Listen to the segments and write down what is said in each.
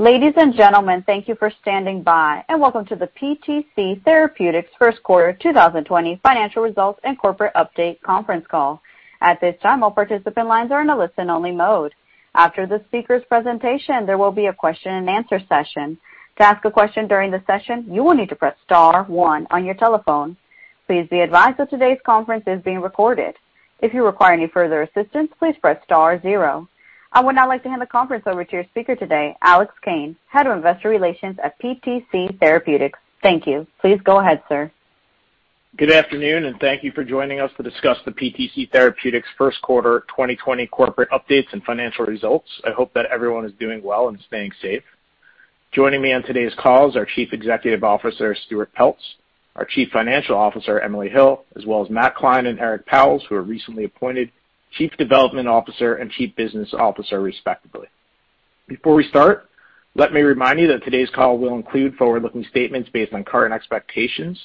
Ladies and gentlemen, thank you for standing by and welcome to the PTC Therapeutics First Quarter 2020 Financial Results and Corporate Update Conference Call. At this time, all participant lines are in a listen-only mode. After the speaker's presentation, there will be a question-and-answer session. To ask a question during the session, you will need to press star one on your telephone. Please be advised that today's conference is being recorded. If you require any further assistance, please press star zero. I would now like to hand the conference over to your speaker today, Alex Kane, Head of Investor Relations at PTC Therapeutics. Thank you. Please go ahead, sir. Good afternoon. Thank you for joining us to discuss the PTC Therapeutics First Quarter 2020 Corporate Updates and Financial Results. I hope that everyone is doing well and staying safe. Joining me on today's call is our Chief Executive Officer, Stuart Peltz, our Chief Financial Officer, Emily Hill, as well as Matt Klein and Eric Pauwels, who are recently appointed Chief Development Officer and Chief Business Officer, respectively. Before we start, let me remind you that today's call will include forward-looking statements based on current expectations.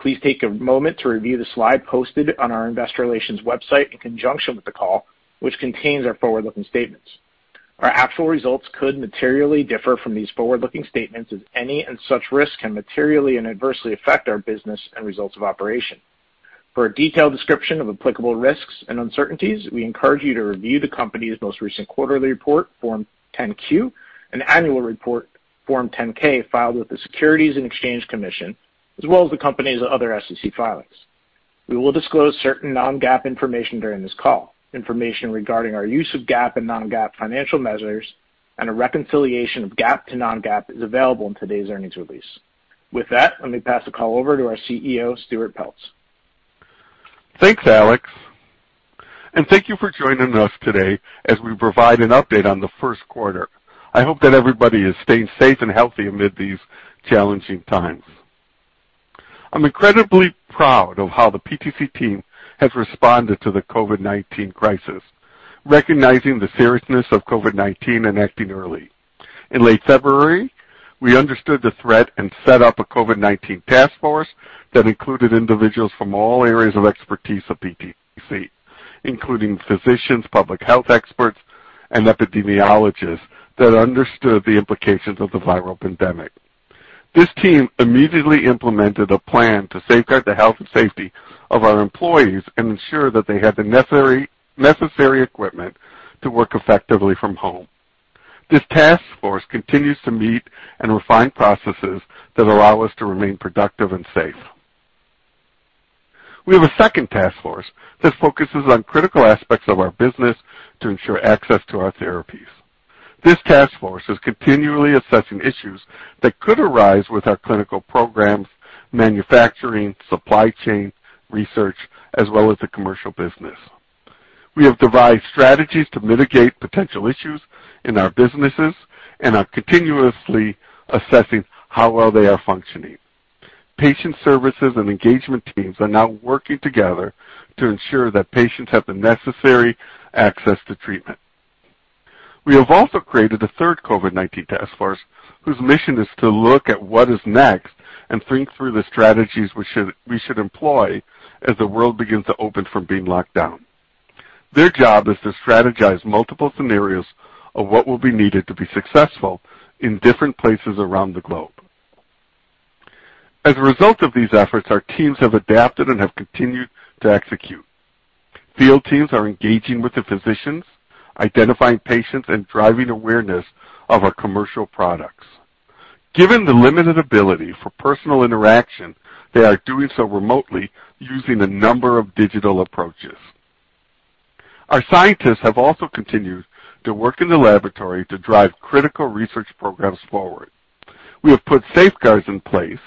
Please take a moment to review the slide posted on our investor relations website in conjunction with the call, which contains our forward-looking statements. Our actual results could materially differ from these forward-looking statements, as any and such risk can materially and adversely affect our business and results of operation. For a detailed description of applicable risks and uncertainties, we encourage you to review the company's most recent quarterly report, Form 10-Q, and annual report, Form 10-K, filed with the Securities and Exchange Commission, as well as the company's other SEC filings. We will disclose certain non-GAAP information during this call. Information regarding our use of GAAP and non-GAAP financial measures and a reconciliation of GAAP to non-GAAP is available in today's earnings release. With that, let me pass the call over to our CEO, Stuart Peltz. Thanks, Alex, and thank you for joining us today as we provide an update on the first quarter. I hope that everybody is staying safe and healthy amid these challenging times. I'm incredibly proud of how the PTC team has responded to the COVID-19 crisis, recognizing the seriousness of COVID-19 and acting early. In late February, we understood the threat and set up a COVID-19 task force that included individuals from all areas of expertise of PTC, including physicians, public health experts, and epidemiologists that understood the implications of the viral pandemic. This team immediately implemented a plan to safeguard the health and safety of our employees and ensure that they had the necessary equipment to work effectively from home. This task force continues to meet and refine processes that allow us to remain productive and safe. We have a second task force that focuses on critical aspects of our business to ensure access to our therapies. This task force is continually assessing issues that could arise with our clinical programs, manufacturing, supply chain, research, as well as the commercial business. We have devised strategies to mitigate potential issues in our businesses and are continuously assessing how well they are functioning. Patient services and engagement teams are now working together to ensure that patients have the necessary access to treatment. We have also created a third COVID-19 task force, whose mission is to look at what is next and think through the strategies we should employ as the world begins to open from being locked down. Their job is to strategize multiple scenarios of what will be needed to be successful in different places around the globe. As a result of these efforts, our teams have adapted and have continued to execute. Field teams are engaging with the physicians, identifying patients, and driving awareness of our commercial products. Given the limited ability for personal interaction, they are doing so remotely using a number of digital approaches. Our scientists have also continued to work in the laboratory to drive critical research programs forward. We have put safeguards in place,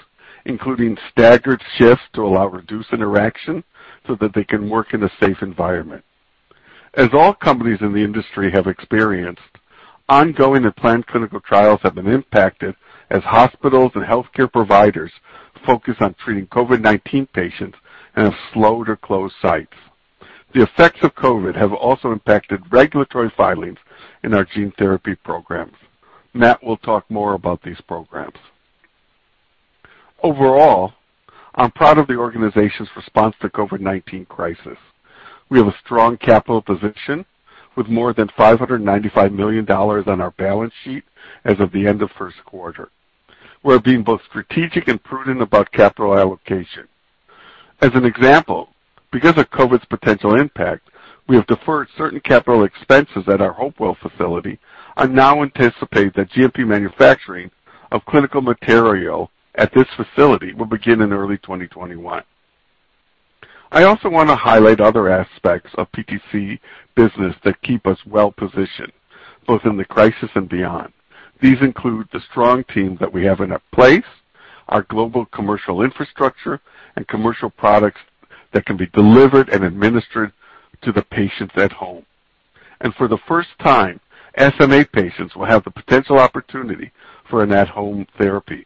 including staggered shifts to allow reduced interaction so that they can work in a safe environment. As all companies in the industry have experienced, ongoing and planned clinical trials have been impacted as hospitals and healthcare providers focus on treating COVID-19 patients and have slowed or closed sites. The effects of COVID have also impacted regulatory filings in our gene therapy programs. Matt will talk more about these programs. Overall, I'm proud of the organization's response to COVID-19 crisis. We have a strong capital position with more than $595 million on our balance sheet as of the end of first quarter. We're being both strategic and prudent about capital allocation. As an example, because of COVID's potential impact, we have deferred certain capital expenses at our Hopewell facility and now anticipate that GMP manufacturing of clinical material at this facility will begin in early 2021. I also want to highlight other aspects of PTC business that keep us well-positioned, both in the crisis and beyond. These include the strong team that we have in place, our global commercial infrastructure, and commercial products that can be delivered and administered to the patients at home. For the first time, SMA patients will have the potential opportunity for an at-home therapy.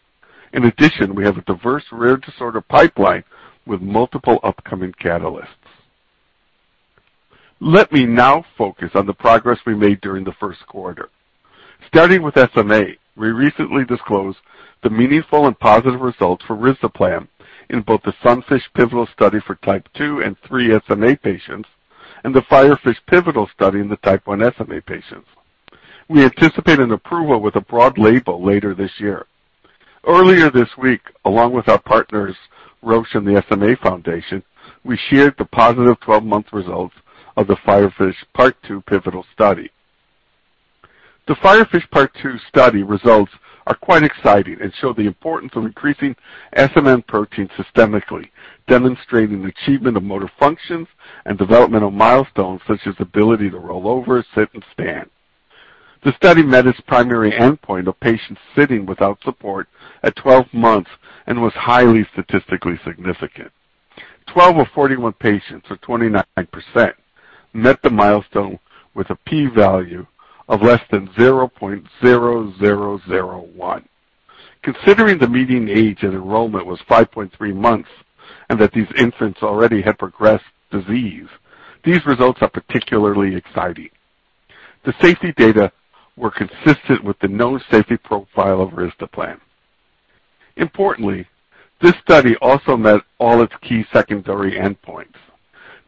In addition, we have a diverse, rare disorder pipeline with multiple upcoming catalysts. Let me now focus on the progress we made during the first quarter. Starting with SMA, we recently disclosed the meaningful and positive results for risdiplam in both the SUNFISH pivotal study for type 2 and 3 SMA patients and the FIREFISH pivotal study in the type 1 SMA patients. We anticipate an approval with a broad label later this year. Earlier this week, along with our partners, Roche and the SMA Foundation, we shared the positive 12-month results of the FIREFISH Part 2 pivotal study. The FIREFISH Part 2 study results are quite exciting and show the importance of increasing SMN protein systemically, demonstrating achievement of motor functions and developmental milestones such as ability to roll over, sit, and stand. The study met its primary endpoint of patients sitting without support at 12 months and was highly statistically significant. 12 of 41 patients, or 29%, met the milestone with a p-value of less than 0.0001. Considering the median age at enrollment was 5.3 months and that these infants already had progressed disease, these results are particularly exciting. The safety data were consistent with the known safety profile of risdiplam. Importantly, this study also met all its key secondary endpoints.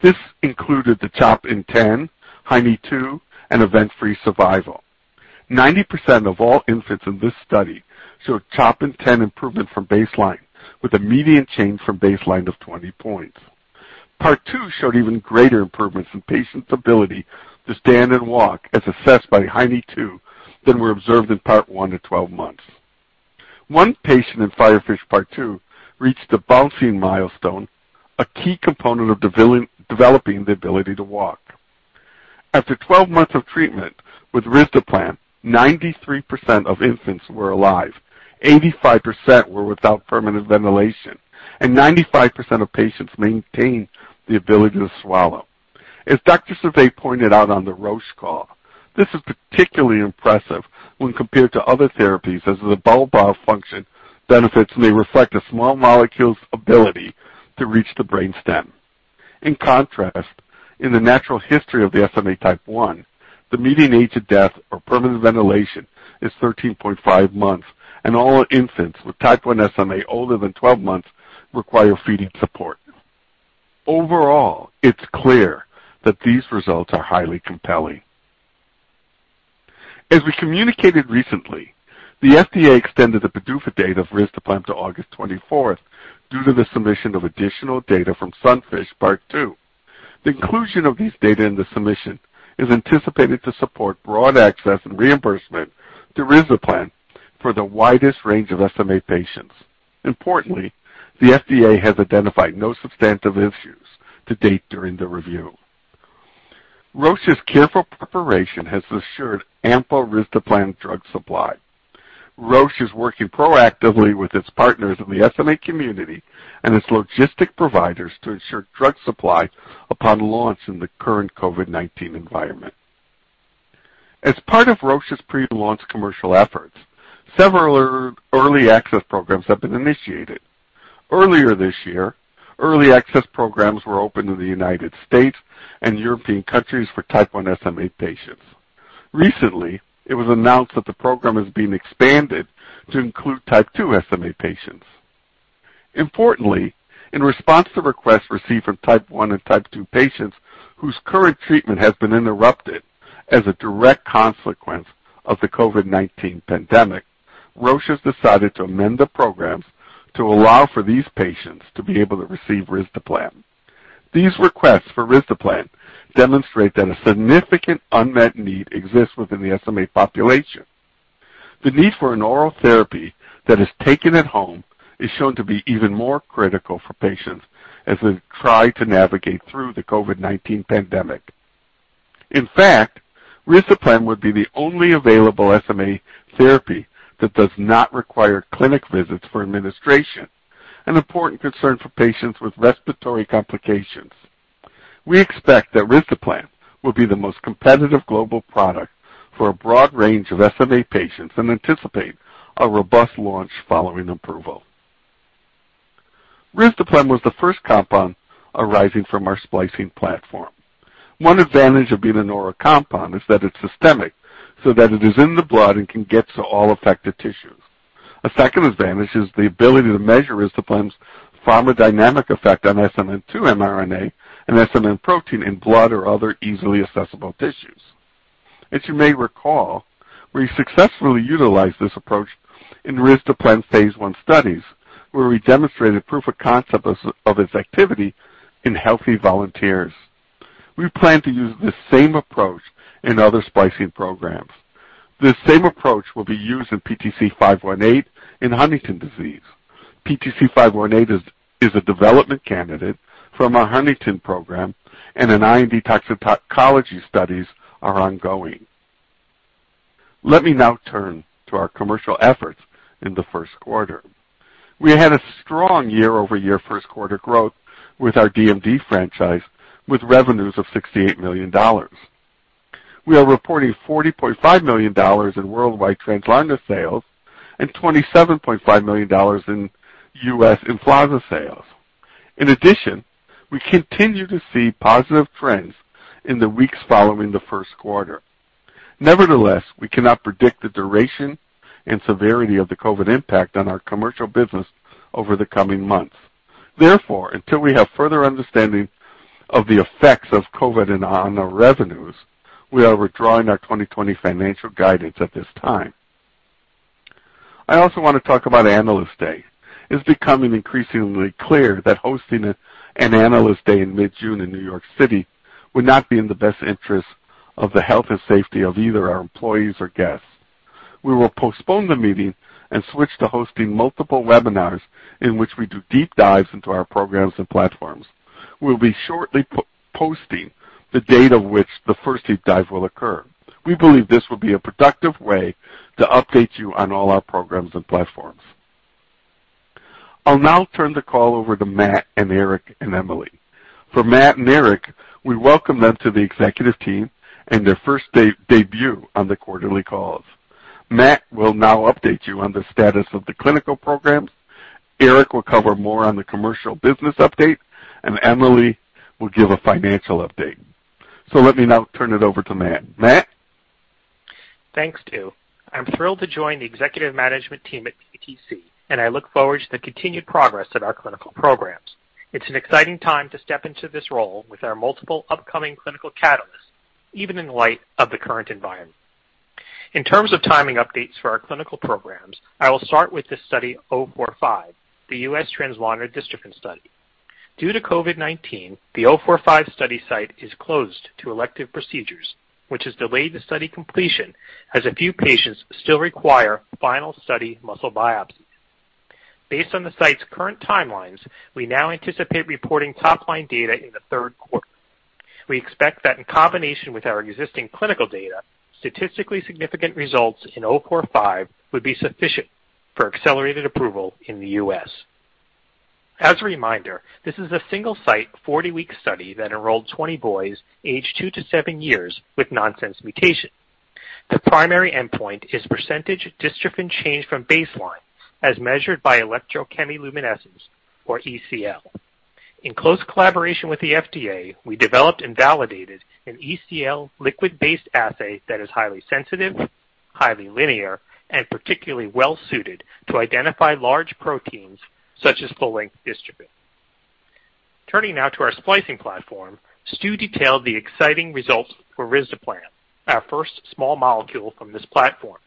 This included the CHOP INTEND, HINE-2, and event-free survival. 90% of all infants in this study showed CHOP INTEND improvement from baseline, with a median change from baseline of 20 points. Part 2 showed even greater improvements in patients' ability to stand and walk as assessed by HINE-2 than were observed in Part 1 at 12 months. One patient in FIREFISH Part 2 reached the bouncing milestone, a key component of developing the ability to walk. After 12 months of treatment with risdiplam, 93% of infants were alive, 85% were without permanent ventilation, and 95% of patients maintained the ability to swallow. As Dr. Servais pointed out on the Roche call, this is particularly impressive when compared to other therapies as the bulbar function benefits may reflect a small molecule's ability to reach the brain stem. In contrast, in the natural history of the SMA type 1, the median age of death or permanent ventilation is 13.5 months, and all infants with type 1 SMA older than 12 months require feeding support. Overall, it's clear that these results are highly compelling. As we communicated recently, the FDA extended the PDUFA date of risdiplam to August 24th due to the submission of additional data from SUNFISH Part 2. The inclusion of these data in the submission is anticipated to support broad access and reimbursement to risdiplam for the widest range of SMA patients. Importantly, the FDA has identified no substantive issues to date during the review. Roche's careful preparation has assured ample risdiplam drug supply. Roche is working proactively with its partners in the SMA community and its logistic providers to ensure drug supply upon launch in the current COVID-19 environment. As part of Roche's pre-launch commercial efforts, several early access programs have been initiated. Earlier this year, early access programs were open in the United States and European countries for type 1 SMA patients. Recently, it was announced that the program is being expanded to include type 2 SMA patients. Importantly, in response to requests received from type 1 and type 2 patients whose current treatment has been interrupted as a direct consequence of the COVID-19 pandemic, Roche has decided to amend the programs to allow for these patients to be able to receive risdiplam. These requests for risdiplam demonstrate that a significant unmet need exists within the SMA population. The need for an oral therapy that is taken at home is shown to be even more critical for patients as they try to navigate through the COVID-19 pandemic. In fact, risdiplam would be the only available SMA therapy that does not require clinic visits for administration, an important concern for patients with respiratory complications. We expect that risdiplam will be the most competitive global product for a broad range of SMA patients and anticipate a robust launch following approval. Risdiplam was the first compound arising from our splicing platform. One advantage of being an oral compound is that it's systemic, so that it is in the blood and can get to all affected tissues. A second advantage is the ability to measure risdiplam's pharmacodynamic effect on SMN2 mRNA and SMN protein in blood or other easily accessible tissues. As you may recall, we successfully utilized this approach in risdiplam's phase I studies, where we demonstrated proof of concept of its activity in healthy volunteers. We plan to use this same approach in other splicing programs. This same approach will be used in PTC-518 in Huntington's disease. PTC-518 is a development candidate from our Huntington program, and IND toxicology studies are ongoing. Let me now turn to our commercial efforts in the first quarter. We had a strong year-over-year first quarter growth with our DMD franchise, with revenues of $68 million. We are reporting $40.5 million in worldwide Translarna sales and $27.5 million in U.S. EMFLAZA sales. In addition, we continue to see positive trends in the weeks following the first quarter. Nevertheless, we cannot predict the duration and severity of the COVID impact on our commercial business over the coming months. Therefore, until we have further understanding of the effects of COVID and on our revenues, we are withdrawing our 2020 financial guidance at this time. I also want to talk about Analyst Day. It's becoming increasingly clear that hosting an Analyst Day in mid-June in New York City would not be in the best interest of the health and safety of either our employees or guests. We will postpone the meeting and switch to hosting multiple webinars in which we do deep dives into our programs and platforms. We'll be shortly posting the date of which the first deep dive will occur. We believe this will be a productive way to update you on all our programs and platforms. I'll now turn the call over to Matt and Eric and Emily. For Matt and Eric, we welcome them to the executive team and their first debut on the quarterly calls. Matt will now update you on the status of the clinical programs. Eric will cover more on the commercial business update, and Emily will give a financial update. Let me now turn it over to Matt. Matt? Thanks, Stu. I'm thrilled to join the executive management team at PTC, and I look forward to the continued progress of our clinical programs. It's an exciting time to step into this role with our multiple upcoming clinical catalysts, even in light of the current environment. In terms of timing updates for our clinical programs, I will start with the Study 045, the U.S. Translarna Dystrophin Study. Due to COVID-19, the 045 study site is closed to elective procedures, which has delayed the study completion, as a few patients still require final study muscle biopsies. Based on the site's current timelines, we now anticipate reporting top-line data in the third quarter. We expect that in combination with our existing clinical data, statistically significant results in 045 would be sufficient for accelerated approval in the U.S. As a reminder, this is a single-site, 40-week study that enrolled 20 boys aged two to seven years with nonsense mutation. The primary endpoint is percentage dystrophin change from baseline as measured by electrochemiluminescence, or ECL. In close collaboration with the FDA, we developed and validated an ECL liquid-based assay that is highly sensitive, highly linear, and particularly well-suited to identify large proteins such as full-length dystrophin. Turning now to our splicing platform, Stu detailed the exciting results for risdiplam, our first small molecule from this platform.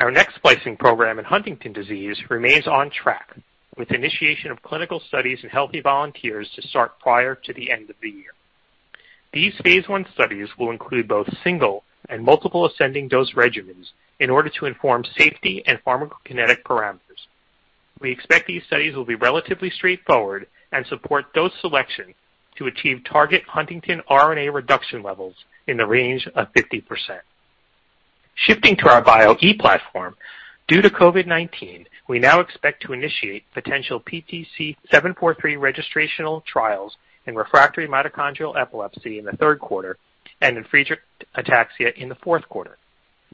Our next splicing program in Huntington's disease remains on track, with initiation of clinical studies in healthy volunteers to start prior to the end of the year. These phase I studies will include both single and multiple ascending dose regimens in order to inform safety and pharmacokinetic parameters. We expect these studies will be relatively straightforward and support dose selection to achieve target Huntington's RNA reduction levels in the range of 50%. Shifting to our Bio-E platform, due to COVID-19, we now expect to initiate potential PTC-743 registrational trials in refractory mitochondrial epilepsy in the third quarter and in Friedreich ataxia in the fourth quarter.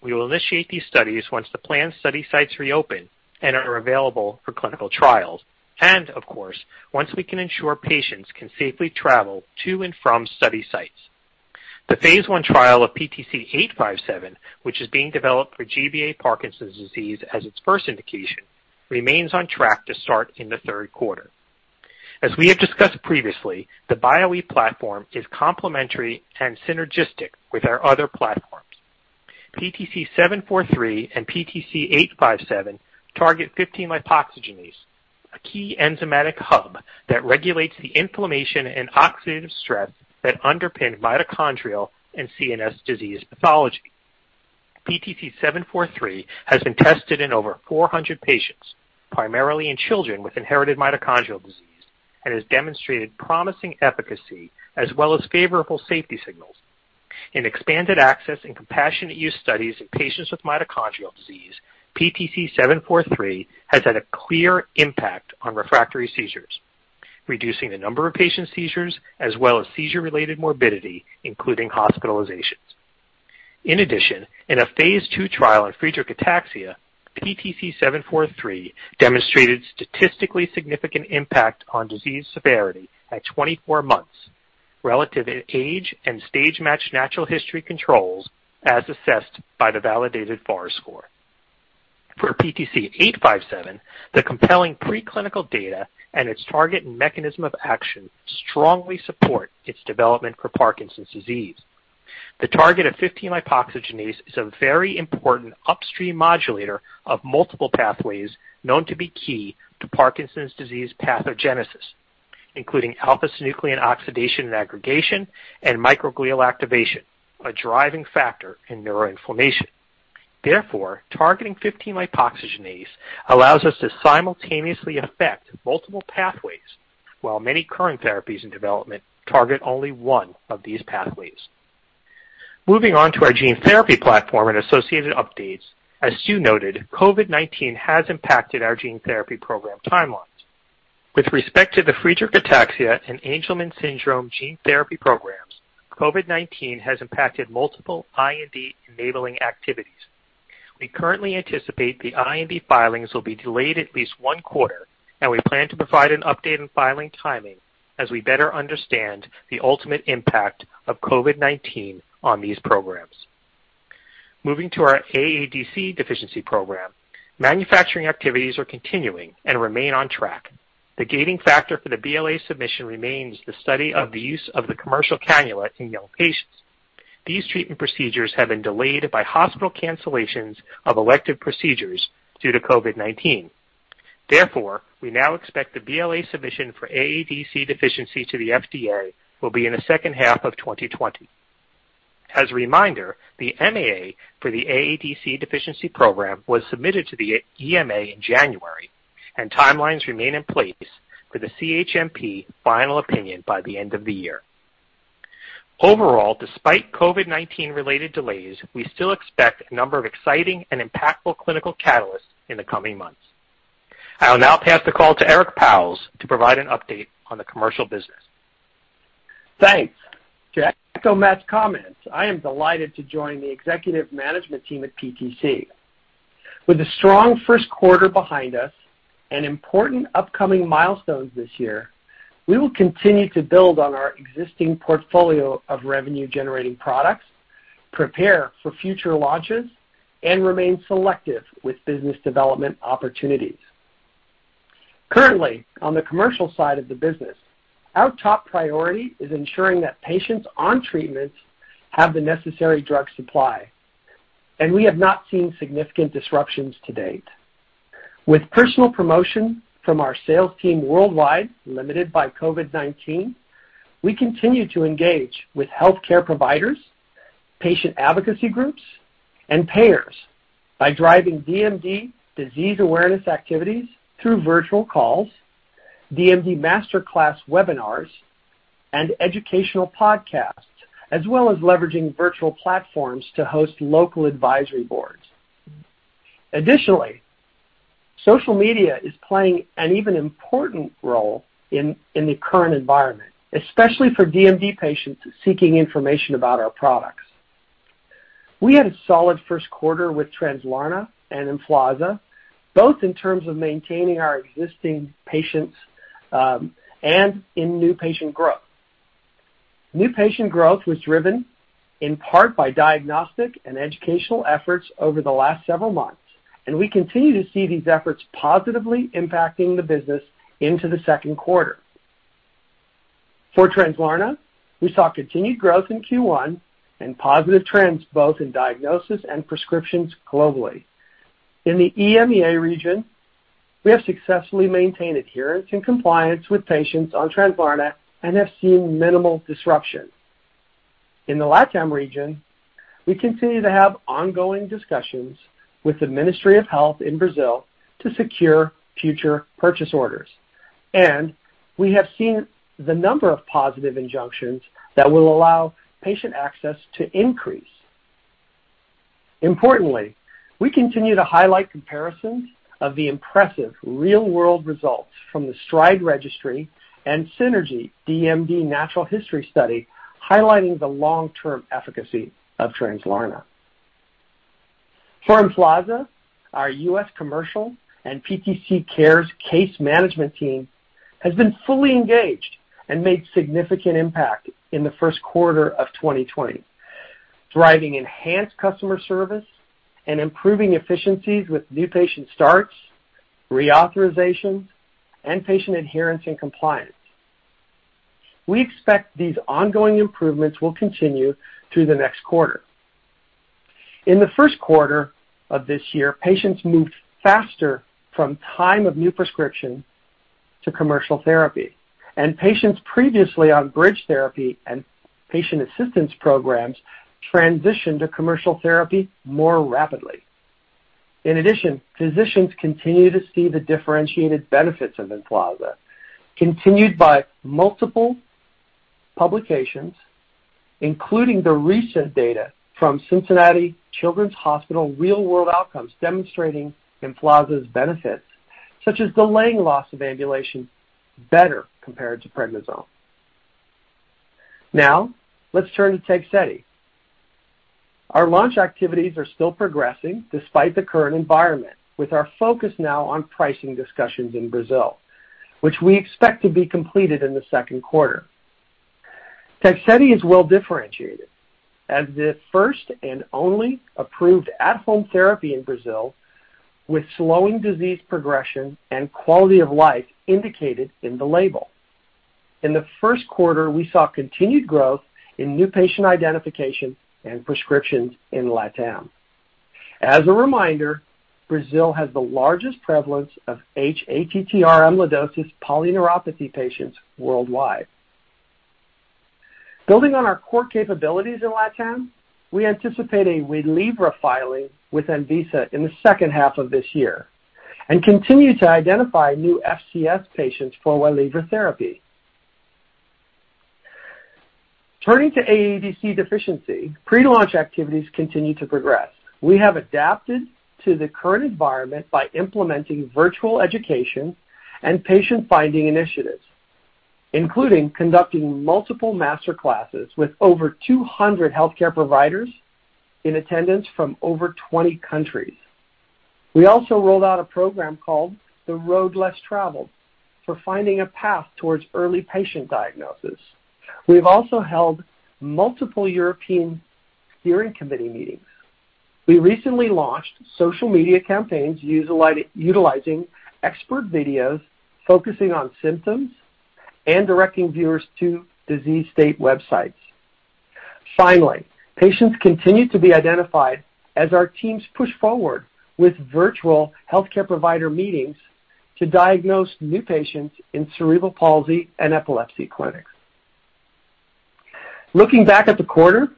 We will initiate these studies once the planned study sites reopen and are available for clinical trials. Of course, once we can ensure patients can safely travel to and from study sites. The Phase I trial of PTC-857, which is being developed for GBA-associated Parkinson's disease as its first indication, remains on track to start in the third quarter. As we have discussed previously, the Bio-E platform is complementary and synergistic with our other platforms. PTC-743 and PTC-857 target 15-lipoxygenases, a key enzymatic hub that regulates the inflammation and oxidative stress that underpin mitochondrial and CNS disease pathology. PTC-743 has been tested in over 400 patients, primarily in children with inherited mitochondrial disease, and has demonstrated promising efficacy as well as favorable safety signals. In expanded access and compassionate use studies in patients with mitochondrial disease, PTC-743 has had a clear impact on refractory seizures, reducing the number of patients' seizures as well as seizure-related morbidity, including hospitalizations. In a phase II trial in Friedreich ataxia, PTC-743 demonstrated statistically significant impact on disease severity at 24 months relative in age and stage-matched natural history controls as assessed by the validated FARS score. For PTC-857, the compelling preclinical data and its target and mechanism of action strongly support its development for Parkinson's disease. The target of 15-lipoxygenase is a very important upstream modulator of multiple pathways known to be key to Parkinson's disease pathogenesis, including alpha-synuclein oxidation and aggregation and microglial activation, a driving factor in neuroinflammation. Therefore, targeting 15-lipoxygenase allows us to simultaneously affect multiple pathways, while many current therapies in development target only one of these pathways. Moving on to our gene therapy platform and associated updates, as Stu noted, COVID-19 has impacted our gene therapy program timelines. With respect to the Friedreich ataxia and Angelman syndrome gene therapy programs, COVID-19 has impacted multiple IND-enabling activities. We currently anticipate the IND filings will be delayed at least one quarter, and we plan to provide an update on filing timing as we better understand the ultimate impact of COVID-19 on these programs. Moving to our AADC deficiency program. Manufacturing activities are continuing and remain on track. The gating factor for the BLA submission remains the study of the use of the commercial cannula in young patients. These treatment procedures have been delayed by hospital cancellations of elective procedures due to COVID-19. We now expect the BLA submission for AADC deficiency to the FDA will be in the second half of 2020. As a reminder, the MAA for the AADC deficiency program was submitted to the EMA in January, and timelines remain in place for the CHMP final opinion by the end of the year. Overall, despite COVID-19 related delays, we still expect a number of exciting and impactful clinical catalysts in the coming months. I will now pass the call to Eric Pauwels to provide an update on the commercial business. Thanks. To echo Matt Klein's comments, I am delighted to join the executive management team at PTC. With a strong first quarter behind us and important upcoming milestones this year, we will continue to build on our existing portfolio of revenue-generating products, prepare for future launches, and remain selective with business development opportunities. Currently, on the commercial side of the business, our top priority is ensuring that patients on treatments have the necessary drug supply, and we have not seen significant disruptions to date. With personal promotion from our sales team worldwide, limited by COVID-19, we continue to engage with healthcare providers, patient advocacy groups, and payers by driving DMD disease awareness activities through virtual calls, DMD master class webinars, and educational podcasts, as well as leveraging virtual platforms to host local advisory boards. Social media is playing an even important role in the current environment, especially for DMD patients seeking information about our products. We had a solid first quarter with Translarna and EMFLAZA, both in terms of maintaining our existing patients, and in new patient growth. New patient growth was driven in part by diagnostic and educational efforts over the last several months, we continue to see these efforts positively impacting the business into the second quarter. For Translarna, we saw continued growth in Q1 and positive trends both in diagnosis and prescriptions globally. In the EMEA region, we have successfully maintained adherence and compliance with patients on Translarna and have seen minimal disruption. In the LATAM region, we continue to have ongoing discussions with the Ministry of Health in Brazil to secure future purchase orders. We have seen the number of positive injunctions that will allow patient access to increase. Importantly, we continue to highlight comparisons of the impressive real-world results from the STRIDE registry and SYNERGY DMD Natural History Study, highlighting the long-term efficacy of Translarna. For EMFLAZA, our U.S. commercial and PTC cares case management team has been fully engaged and made significant impact in the first quarter of 2020, driving enhanced customer service and improving efficiencies with new patient starts, reauthorizations, and patient adherence and compliance. We expect these ongoing improvements will continue through the next quarter. In the first quarter of this year, patients moved faster from time of new prescription to commercial therapy, and patients previously on bridge therapy and patient assistance programs transitioned to commercial therapy more rapidly. Physicians continue to see the differentiated benefits of EMFLAZA, continued by multiple publications, including the recent data from Cincinnati Children's Hospital real-world outcomes demonstrating EMFLAZA's benefits, such as delaying loss of ambulation better compared to prednisone. Let's turn to Tegsedi. Our launch activities are still progressing despite the current environment, with our focus now on pricing discussions in Brazil, which we expect to be completed in the second quarter. Tegsedi is well-differentiated as the first and only approved at-home therapy in Brazil, with slowing disease progression and quality of life indicated in the label. In the first quarter, we saw continued growth in new patient identification and prescriptions in LATAM. As a reminder, Brazil has the largest prevalence of hATTR amyloidosis polyneuropathy patients worldwide. Building on our core capabilities in LATAM, we anticipate a Waylivra filing with ANVISA in the second half of this year and continue to identify new FCS patients for Waylivra therapy. Turning to AADC Deficiency, pre-launch activities continue to progress. We have adapted to the current environment by implementing virtual education and patient-finding initiatives. Including conducting multiple master classes with over 200 healthcare providers in attendance from over 20 countries. We also rolled out a program called The Road Less Traveled for finding a path towards early patient diagnosis. We've also held multiple European steering committee meetings. We recently launched social media campaigns utilizing expert videos, focusing on symptoms, and directing viewers to disease state websites. Finally, patients continue to be identified as our teams push forward with virtual healthcare provider meetings to diagnose new patients in cerebral palsy and epilepsy clinics. Looking back at the quarter,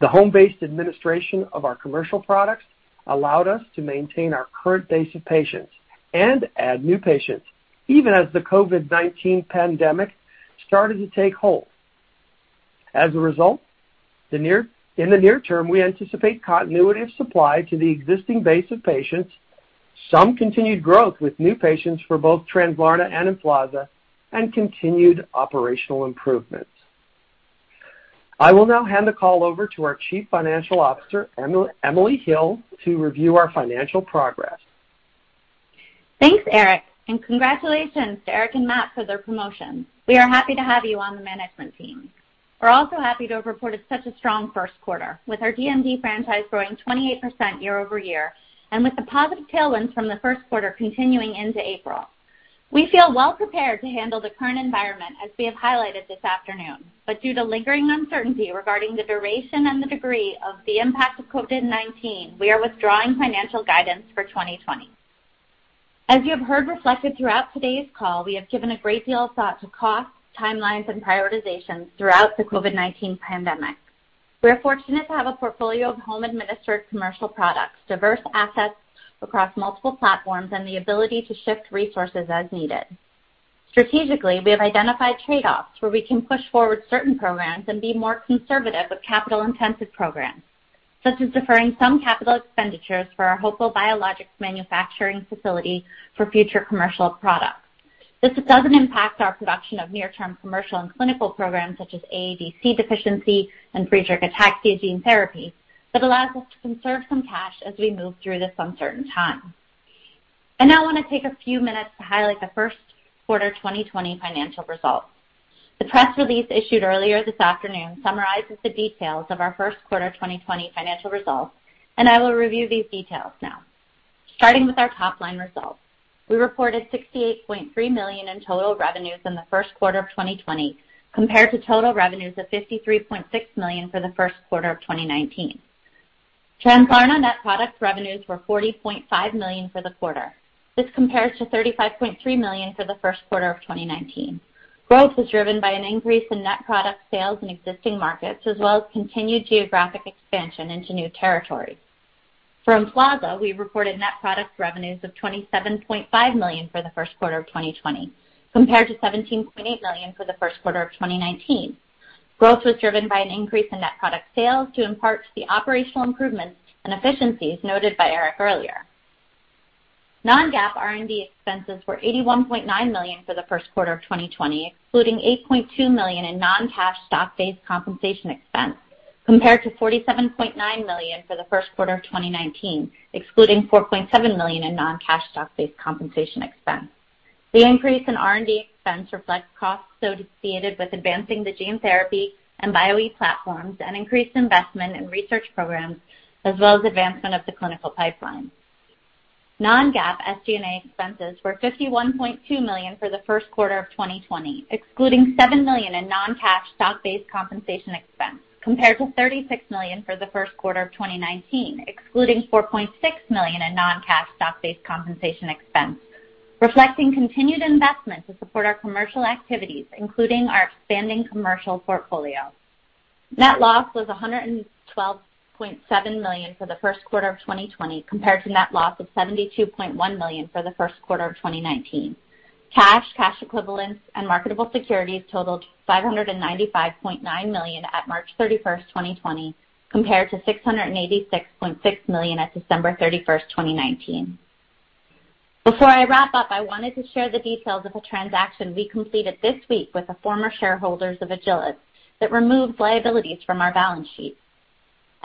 the home-based administration of our commercial products allowed us to maintain our current base of patients and add new patients, even as the COVID-19 pandemic started to take hold. As a result, in the near term, we anticipate continuity of supply to the existing base of patients, some continued growth with new patients for both Translarna and EMFLAZA, and continued operational improvements. I will now hand the call over to our Chief Financial Officer, Emily Hill, to review our financial progress. Thanks, Eric, and congratulations to Eric and Matt for their promotions. We are happy to have you on the management team. We are also happy to have reported such a strong first quarter, with our DMD franchise growing 28% year-over-year, and with the positive tailwinds from the first quarter continuing into April. We feel well-prepared to handle the current environment, as we have highlighted this afternoon, but due to lingering uncertainty regarding the duration and the degree of the impact of COVID-19, we are withdrawing financial guidance for 2020. As you have heard reflected throughout today's call, we have given a great deal of thought to costs, timelines, and prioritizations throughout the COVID-19 pandemic. We are fortunate to have a portfolio of home-administered commercial products, diverse assets across multiple platforms, and the ability to shift resources as needed. Strategically, we have identified trade-offs where we can push forward certain programs and be more conservative with capital-intensive programs, such as deferring some capital expenditures for our Hopewell biologics manufacturing facility for future commercial products. This doesn't impact our production of near-term commercial and clinical programs such as AADC deficiency and Friedreich ataxia gene therapy but allows us to conserve some cash as we move through this uncertain time. I now want to take a few minutes to highlight the first quarter 2020 financial results. The press release issued earlier this afternoon summarizes the details of our first quarter 2020 financial results, I will review these details now. Starting with our top-line results, we reported $68.3 million in total revenues in the first quarter of 2020 compared to total revenues of $53.6 million for the first quarter of 2019. Translarna net product revenues were $40.5 million for the quarter. This compares to $35.3 million for the first quarter of 2019. Growth was driven by an increase in net product sales in existing markets, as well as continued geographic expansion into new territories. For EMFLAZA, we reported net product revenues of $27.5 million for the first quarter of 2020 compared to $17.8 million for the first quarter of 2019. Growth was driven by an increase in net product sales due in part to the operational improvements and efficiencies noted by Eric earlier. Non-GAAP R&D expenses were $81.9 million for the first quarter of 2020, including $8.2 million in non-cash stock-based compensation expense, compared to $47.9 million for the first quarter of 2019, excluding $4.7 million in non-cash stock-based compensation expense. The increase in R&D expense reflects costs associated with advancing the gene therapy and Bio-E platforms and increased investment in research programs, as well as advancement of the clinical pipeline. Non-GAAP SG&A expenses were $51.2 million for the first quarter of 2020, excluding $7 million in non-cash stock-based compensation expense, compared to $36 million for the first quarter of 2019, excluding $4.6 million in non-cash stock-based compensation expense, reflecting continued investment to support our commercial activities, including our expanding commercial portfolio. Net loss was $112.7 million for the first quarter of 2020 compared to net loss of $72.1 million for the first quarter of 2019. Cash, cash equivalents, and marketable securities totaled $595.9 million at March 31st, 2020, compared to $686.6 million at December 31st, 2019. Before I wrap up, I wanted to share the details of a transaction we completed this week with the former shareholders of Agilis that removed liabilities from our balance sheet.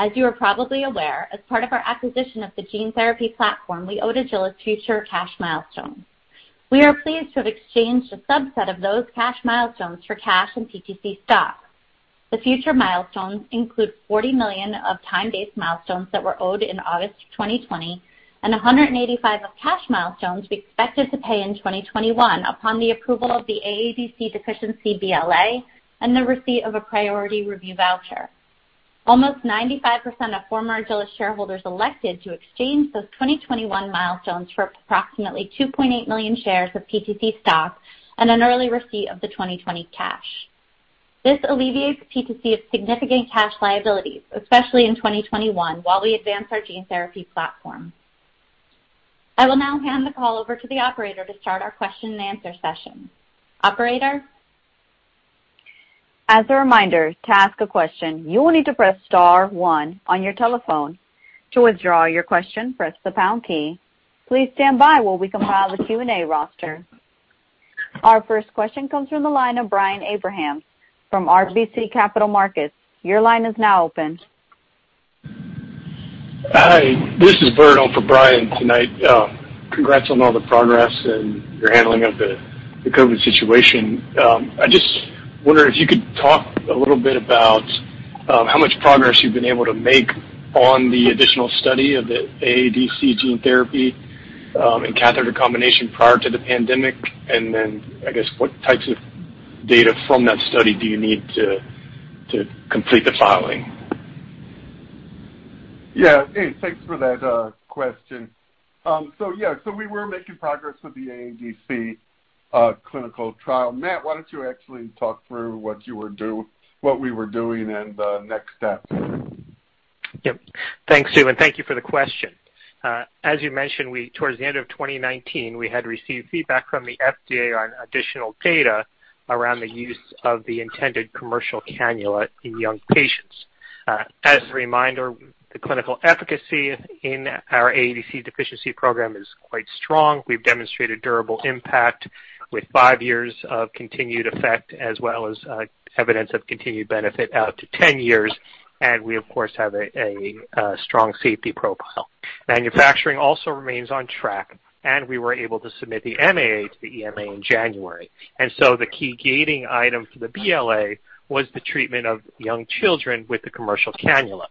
As you are probably aware, as part of our acquisition of the gene therapy platform, we owed Agilis future cash milestones. We are pleased to have exchanged a subset of those cash milestones for cash and PTC stock. The future milestones include $40 million of time-based milestones that were owed in August 2020 and $185 of cash milestones we expected to pay in 2021 upon the approval of the AADC deficiency BLA and the receipt of a priority review voucher. Almost 95% of former Agilis shareholders elected to exchange those 2021 milestones for approximately 2.8 million shares of PTC stock and an early receipt of the 2020 cash. This alleviates PTC of significant cash liabilities, especially in 2021 while we advance our gene therapy platform. I will now hand the call over to the operator to start our question and answer session. Operator. As a reminder, to ask a question, you will need to press star one on your telephone. To withdraw your question, press the pound key. Please stand by while we compile the Q&A roster. Our first question comes from the line of Brian Abrahams from RBC Capital Markets. Your line is now open. Hi, this is Bert on for Brian tonight. Congrats on all the progress and your handling of the COVID situation. I just wonder if you could talk a little bit about how much progress you've been able to make on the additional study of the AADC gene therapy, and catheter combination prior to the pandemic, and then I guess what types of data from that study do you need to complete the filing? Yeah. Hey, thanks for that question. Yeah, we were making progress with the AADC clinical trial. Matt, why don't you actually talk through what we were doing and the next steps? Thanks, Stu, thank you for the question. As you mentioned, towards the end of 2019, we had received feedback from the FDA on additional data around the use of the intended commercial cannula in young patients. As a reminder, the clinical efficacy in our AADC deficiency program is quite strong. We've demonstrated durable impact with five years of continued effect, as well as evidence of continued benefit out to ten years. We, of course, have a strong safety profile. Manufacturing also remains on track, and we were able to submit the MAA to the EMA in January. The key gating item for the BLA was the treatment of young children with the commercial cannula.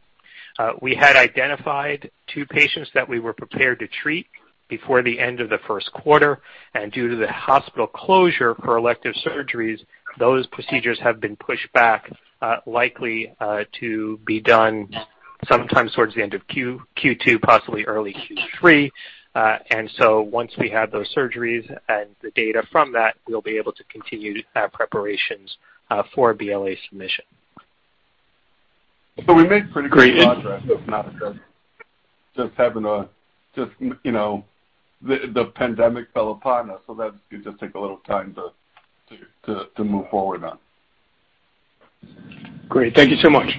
We had identified two patients that we were prepared to treat before the end of the first quarter. Due to the hospital closure for elective surgeries, those procedures have been pushed back, likely, to be done sometime towards the end of Q2, possibly early Q3. Once we have those surgeries and the data from that, we'll be able to continue our preparations for BLA submission. We made pretty good progress. Great. Just the pandemic fell upon us. That did just take a little time to move forward on. Great. Thank you so much.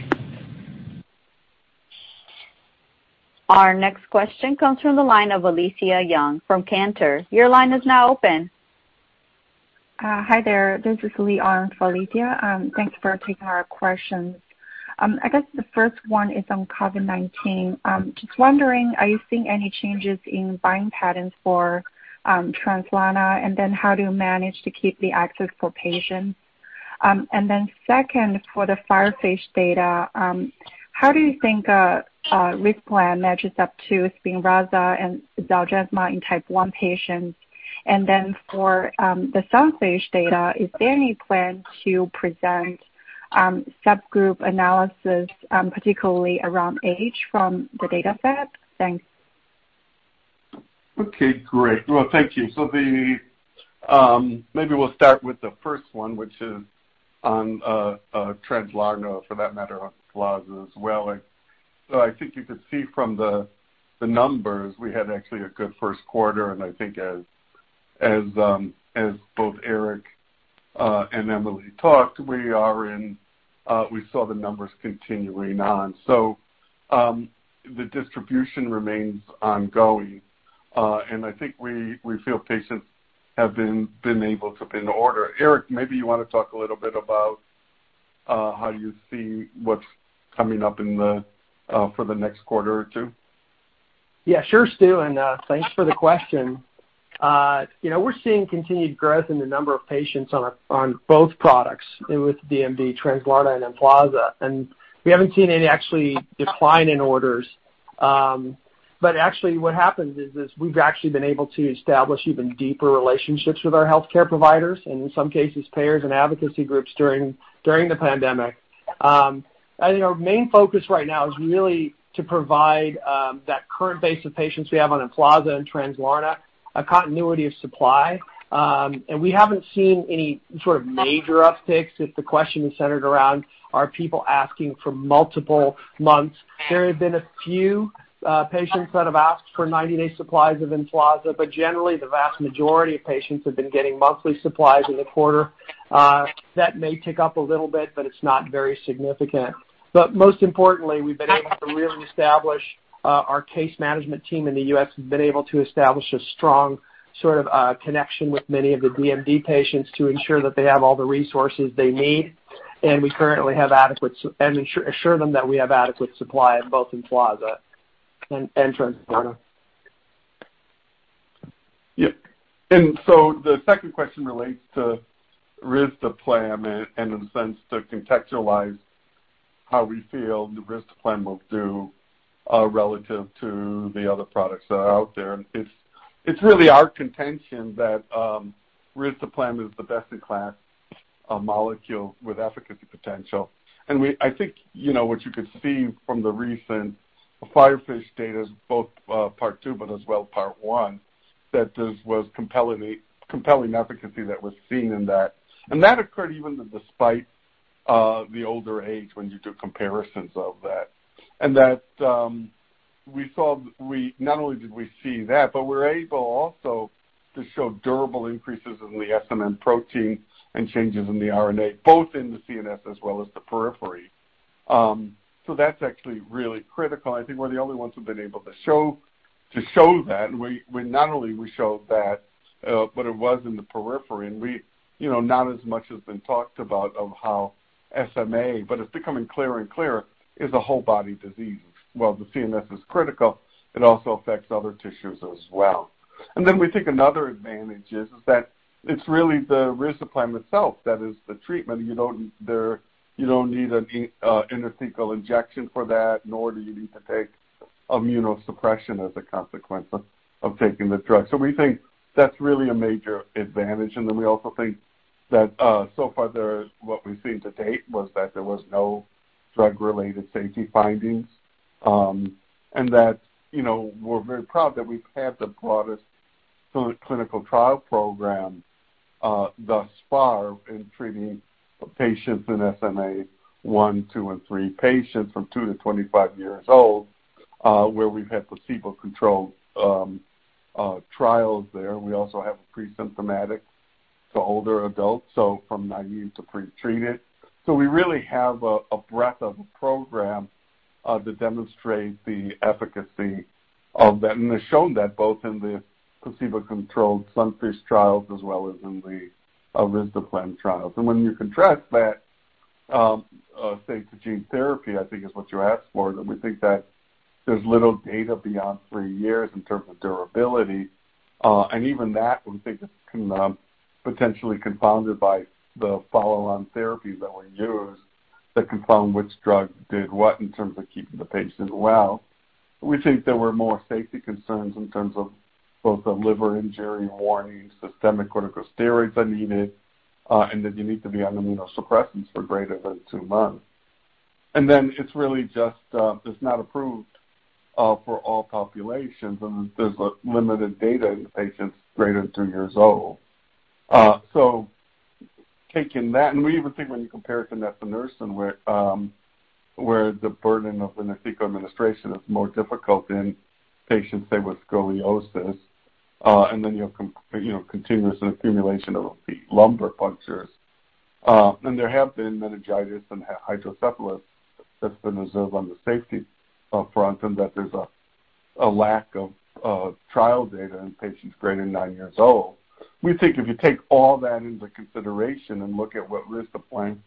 Our next question comes from the line of Alethia Young from Cantor. Your line is now open. Hi there. This is Lee on for Alethia. Thanks for taking our questions. I guess the first one is on COVID-19. Just wondering, are you seeing any changes in buying patterns for Translarna? How do you manage to keep the access for patients? Second, for the FIREFISH data, how do you think risdiplam matches up to Spinraza and Zolgensma in type 1 patients? For the SUNFISH data, is there any plan to present subgroup analysis, particularly around age from the dataset? Thanks. Okay, great. Well, thank you. Maybe we'll start with the first one, which is on Translarna, for that matter, EMFLAZA as well. I think you could see from the numbers, we had actually a good first quarter, and I think as both Eric and Emily talked, we saw the numbers continuing on. The distribution remains ongoing. I think we feel patients have been able to put in the order. Eric, maybe you want to talk a little bit about how you see what's coming up for the next quarter or two. Yeah, sure, Stu. Thanks for the question. We're seeing continued growth in the number of patients on both products with DMD, Translarna and EMFLAZA. We haven't seen any actually decline in orders. Actually what happens is we've actually been able to establish even deeper relationships with our healthcare providers and in some cases, payers and advocacy groups during the pandemic. I think our main focus right now is really to provide that current base of patients we have on EMFLAZA and Translarna, a continuity of supply. We haven't seen any sort of major upticks if the question is centered around are people asking for multiple months. There have been a few patients that have asked for 90-day supplies of EMFLAZA, but generally, the vast majority of patients have been getting monthly supplies in the quarter. That may tick up a little bit, it's not very significant. Most importantly, we've been able to really establish our case management team in the U.S. has been able to establish a strong sort of connection with many of the DMD patients to ensure that they have all the resources they need, and assure them that we have adequate supply of both EMFLAZA and Translarna. Yep. The second question relates to risdiplam and in a sense, to contextualize how we feel risdiplam will do, relative to the other products that are out there. It's really our contention that risdiplam is the best-in-class molecule with efficacy potential. I think what you could see from the recent FIREFISH data is both Part 2 but as well Part 1, that this was compelling efficacy that was seen in that. Not only did we see that, but we're able also to show durable increases in the SMN protein and changes in the RNA, both in the CNS as well as the periphery. That's actually really critical. I think we're the only ones who've been able to show that. Not only we showed that, but it was in the periphery, and not as much has been talked about of how SMA, but it's becoming clearer and clearer, is a whole body disease. While the CNS is critical, it also affects other tissues as well. We think another advantage is that it's really the risdiplam itself that is the treatment. You don't need an intrathecal injection for that, nor do you need to take immunosuppression as a consequence of taking the drug. We think that's really a major advantage. We also think that so far, what we've seen to date was that there was no drug-related safety findings, and that we're very proud that we've had the broadest clinical trial program thus far in treating patients in SMA 1, 2 and 3. Patients from two to 25 years old, where we've had placebo-controlled trials there. We also have pre-symptomatic to older adults, so from naive to pre-treated. We really have a breadth of program to demonstrate the efficacy of that, and has shown that both in the placebo-controlled SUNFISH trials as well as in the risdiplam trials. When you contrast that, say to gene therapy, I think is what you asked for, that we think that there's little data beyond three years in terms of durability. Even that, we think is potentially confounded by the follow-on therapies that were used that confound which drug did what in terms of keeping the patient well. We think there were more safety concerns in terms of both the liver injury warnings, systemic corticosteroids are needed, and that you need to be on immunosuppressants for greater than two months. It's not approved for all populations, and there's limited data in patients greater than two years old. Taking that, we even think when you compare it to nusinersen where the burden of intrathecal administration is more difficult in patients, say, with scoliosis. You have continuous accumulation of lumbar punctures. There have been meningitis and hydrocephalus that's been observed on the safety front, and that there's a lack of trial data in patients greater than nine years old. We think if you take all that into consideration and look at what risdiplam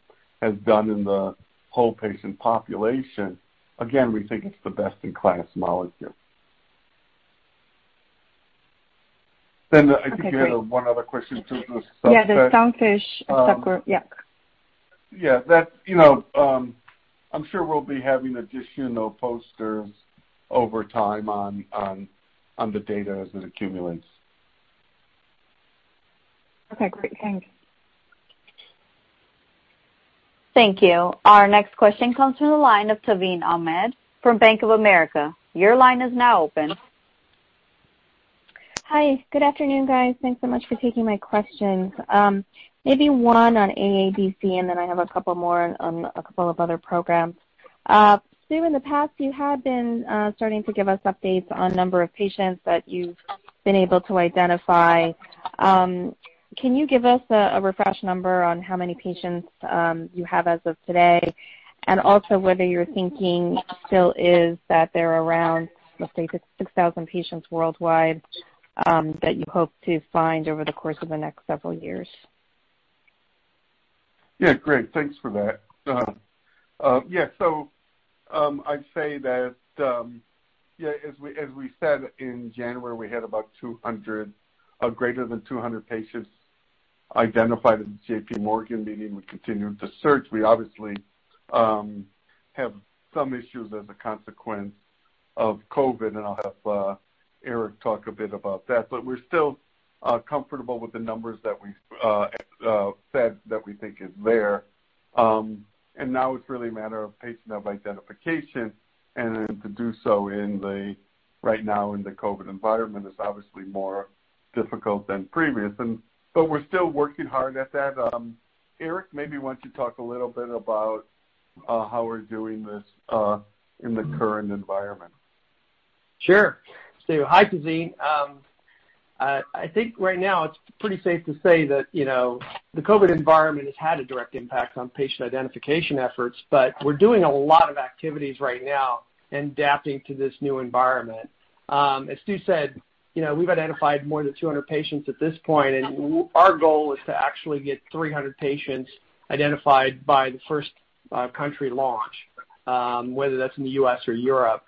has done in the whole patient population, again, we think it's the best-in-class molecule. I think you had one other question too. Yeah, the SUNFISH. Yeah. Yeah. I'm sure we'll be having additional posters over time on the data as it accumulates. Okay, great. Thanks. Thank you. Our next question comes from the line of Tazeen Ahmad from Bank of America. Your line is now open. Hi. Good afternoon, guys. Thanks so much for taking my questions. Maybe one on AADC. Then I have a couple more on a couple of other programs. Stu, in the past, you had been starting to give us updates on number of patients that you've been able to identify. Can you give us a refresh number on how many patients you have as of today? Also, whether your thinking still is that they're around, let's say, 6,000 patients worldwide that you hope to find over the course of the next several years. Great. Thanks for that. I'd say that as we said in January, we had greater than 200 patients identified at the JPMorgan meeting. We continued to search. We obviously have some issues as a consequence of COVID-19, and I'll have Eric talk a bit about that. We're still comfortable with the numbers that we said that we think is there. Now it's really a matter of patient of identification, and then to do so right now in the COVID-19 environment is obviously more difficult than previous. We're still working hard at that. Eric, maybe why don't you talk a little bit about how we're doing this in the current environment. Sure. Stu. Hi, Tazeen. I think right now it's pretty safe to say that the COVID-19 environment has had a direct impact on patient identification efforts. We're doing a lot of activities right now and adapting to this new environment. As Stu said, we've identified more than 200 patients at this point, and our goal is to actually get 300 patients identified by the first country launch, whether that's in the U.S. or Europe.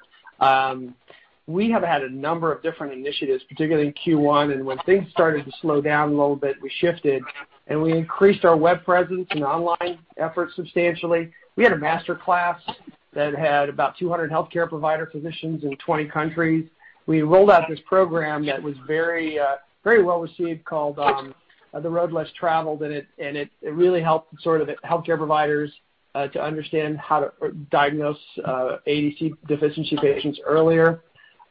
We have had a number of different initiatives, particularly in Q1, and when things started to slow down a little bit, we shifted, and we increased our web presence and online efforts substantially. We had a master class that had about 200 healthcare provider physicians in 20 countries. We rolled out this program that was very well received called The Road Less Traveled, and it really helped healthcare providers to understand how to diagnose AADC deficiency patients earlier,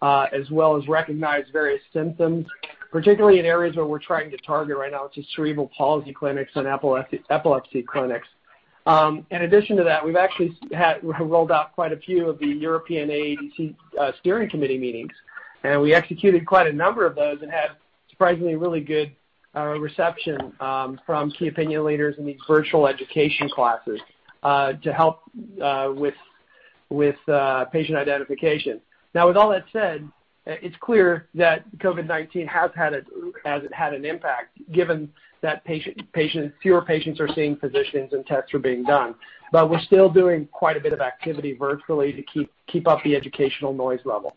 as well as recognize various symptoms, particularly in areas where we're trying to target right now to cerebral palsy clinics and epilepsy clinics. In addition to that, we've actually rolled out quite a few of the European AADC Steering Committee meetings, and we executed quite a number of those and had surprisingly really good reception from key opinion leaders in these virtual education classes to help with patient identification. Now, with all that said, it's clear that COVID-19 has had an impact given that fewer patients are seeing physicians and tests are being done. We're still doing quite a bit of activity virtually to keep up the educational noise level.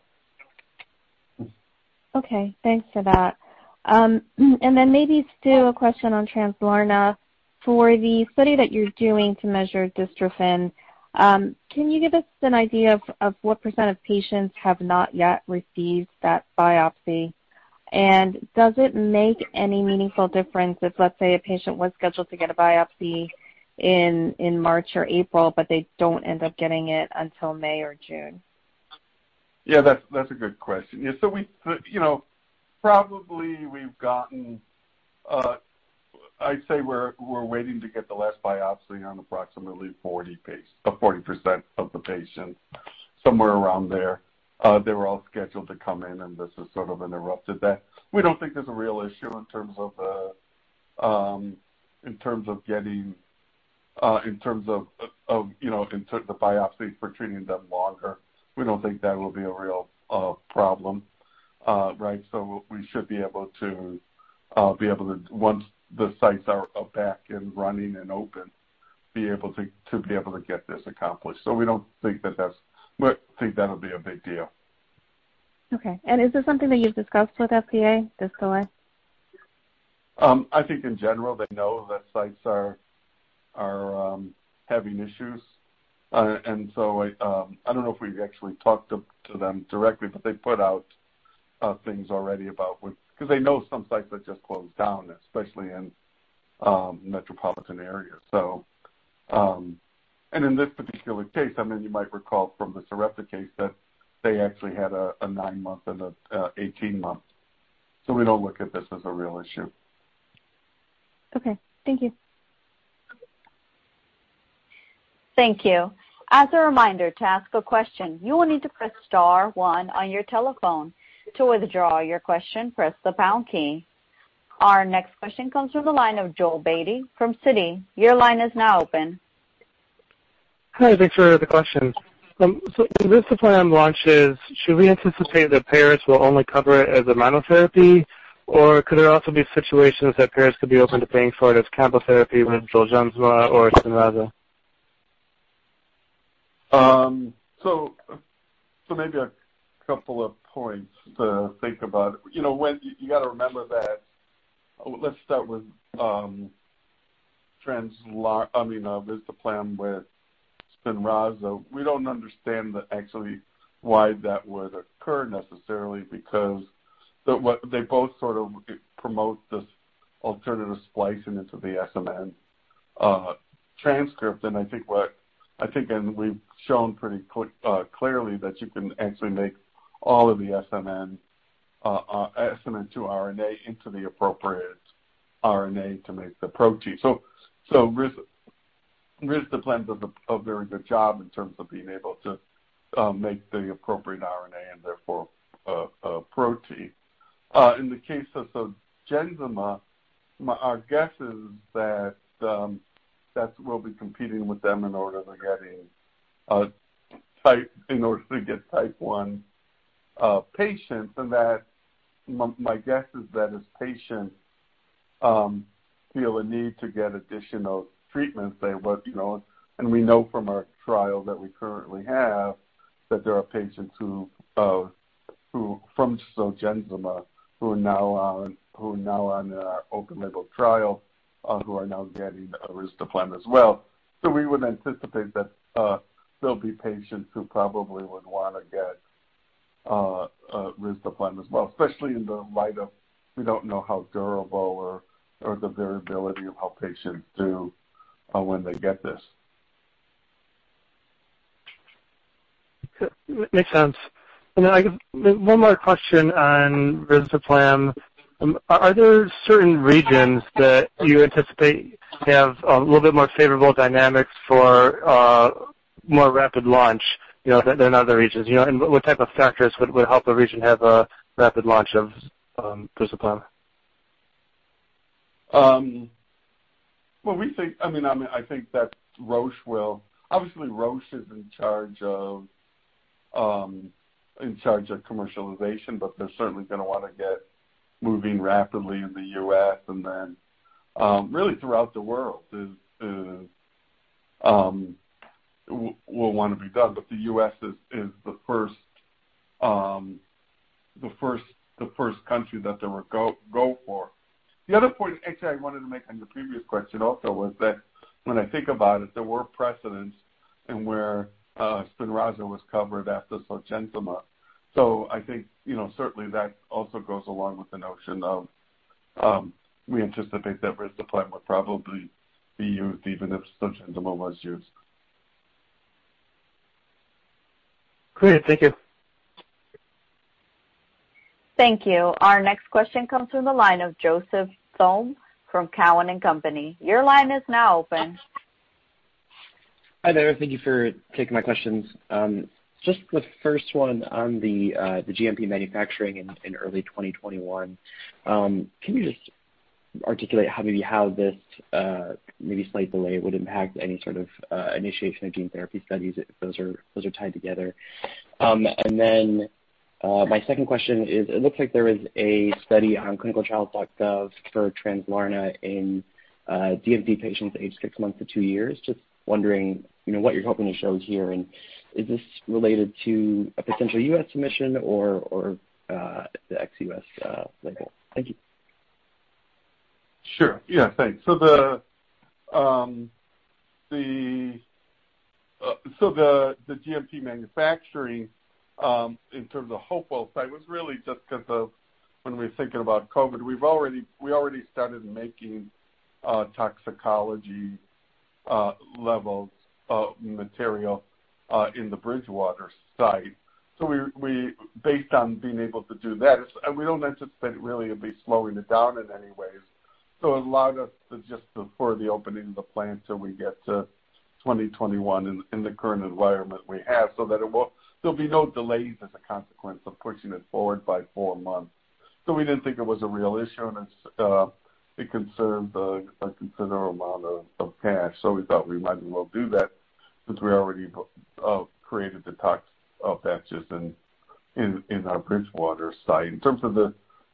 Okay. Thanks for that. Maybe still a question on Translarna. For the study that you're doing to measure dystrophin, can you give us an idea of what percent of patients have not yet received that biopsy? Does it make any meaningful difference if, let's say, a patient was scheduled to get a biopsy in March or April, but they don't end up getting it until May or June? That's a good question. Probably we've gotten, I'd say we're waiting to get the last biopsy on approximately 40% of the patients, somewhere around there. They were all scheduled to come in, this has sort of interrupted that. We don't think there's a real issue in terms of the biopsy for treating them longer. We don't think that will be a real problem. Right? We should be able to, once the sites are back and running and open, be able to get this accomplished. We don't think that'll be a big deal. Okay. Is this something that you've discussed with FDA, this delay? I think in general, they know that sites are having issues. I don't know if we've actually talked to them directly, but they put out things already about when, because they know some sites that just closed down, especially in metropolitan areas. In this particular case, you might recall from the Sarepta case that they actually had a 9-month and an 18-month. We don't look at this as a real issue. Okay. Thank you. Thank you. As a reminder, to ask a question, you will need to press star one on your telephone. To withdraw your question, press the pound key. Our next question comes from the line of Joel Beatty from Citi. Your line is now open. Hi, thanks for the question. Risdiplam launches, should we anticipate that payers will only cover it as a monotherapy, or could there also be situations that payers could be open to paying for it as combo therapy with Zolgensma or Spinraza? Maybe a couple of points to think about. You got to remember that, let's start with risdiplam with Spinraza. We don't understand actually why that would occur necessarily, because they both sort of promote this alternative splicing into the SMN transcript. I think, and we've shown pretty clearly that you can actually make all of the SMN2 RNA into the appropriate RNA to make the protein. Risdiplam does a very good job in terms of being able to make the appropriate RNA and therefore protein. In the case of Zolgensma, our guess is that we'll be competing with them in order to get type 1 patients. My guess is that as patients feel a need to get additional treatments, and we know from our trial that we currently have, that there are patients from Zolgensma who are now on our open label trial, who are now getting risdiplam as well. We would anticipate that there'll be patients who probably would want to get risdiplam as well, especially in the light of we don't know how durable or the variability of how patients do when they get this. Makes sense. One more question on risdiplam. Are there certain regions that you anticipate have a little bit more favorable dynamics for more rapid launch than other regions? What type of factors would help a region have a rapid launch of risdiplam? I think that obviously Roche is in charge of commercialization, they're certainly going to want to get moving rapidly in the U.S., and then really throughout the world will want to be done. The U.S. is the first country that they would go for. The other point, actually, I wanted to make on the previous question also was that when I think about it, there were precedents in where Spinraza was covered after Zolgensma. I think certainly that also goes along with the notion of we anticipate that risdiplam would probably be used even if Zolgensma was used. Great. Thank you. Thank you. Our next question comes from the line of Joseph Thome from Cowen and Company. Your line is now open. Hi there. Thank you for taking my questions. The first one on the GMP manufacturing in early 2021. Can you articulate how this maybe slight delay would impact any sort of initiation of gene therapy studies if those are tied together? My second question is, it looks like there is a study on clinicaltrials.gov for Translarna in DMD patients aged six months to two years. Wondering what you're hoping to show here, and is this related to a potential U.S. submission or the ex-U.S. label? Thank you. Sure. Yeah, thanks. The GMP manufacturing, in terms of Hopewell, I was really just because of when we were thinking about COVID-19, we already started making toxicology levels of material in the Bridgewater site. Based on being able to do that, we don't anticipate really it'd be slowing it down in any way. It allowed us to just defer the opening of the plant till we get to 2021 in the current environment we have, so there'll be no delays as a consequence of pushing it forward by four months. We didn't think it was a real issue, and it conserved a considerable amount of cash. We thought we might as well do that since we already created the tox batches in our Bridgewater site. In terms of the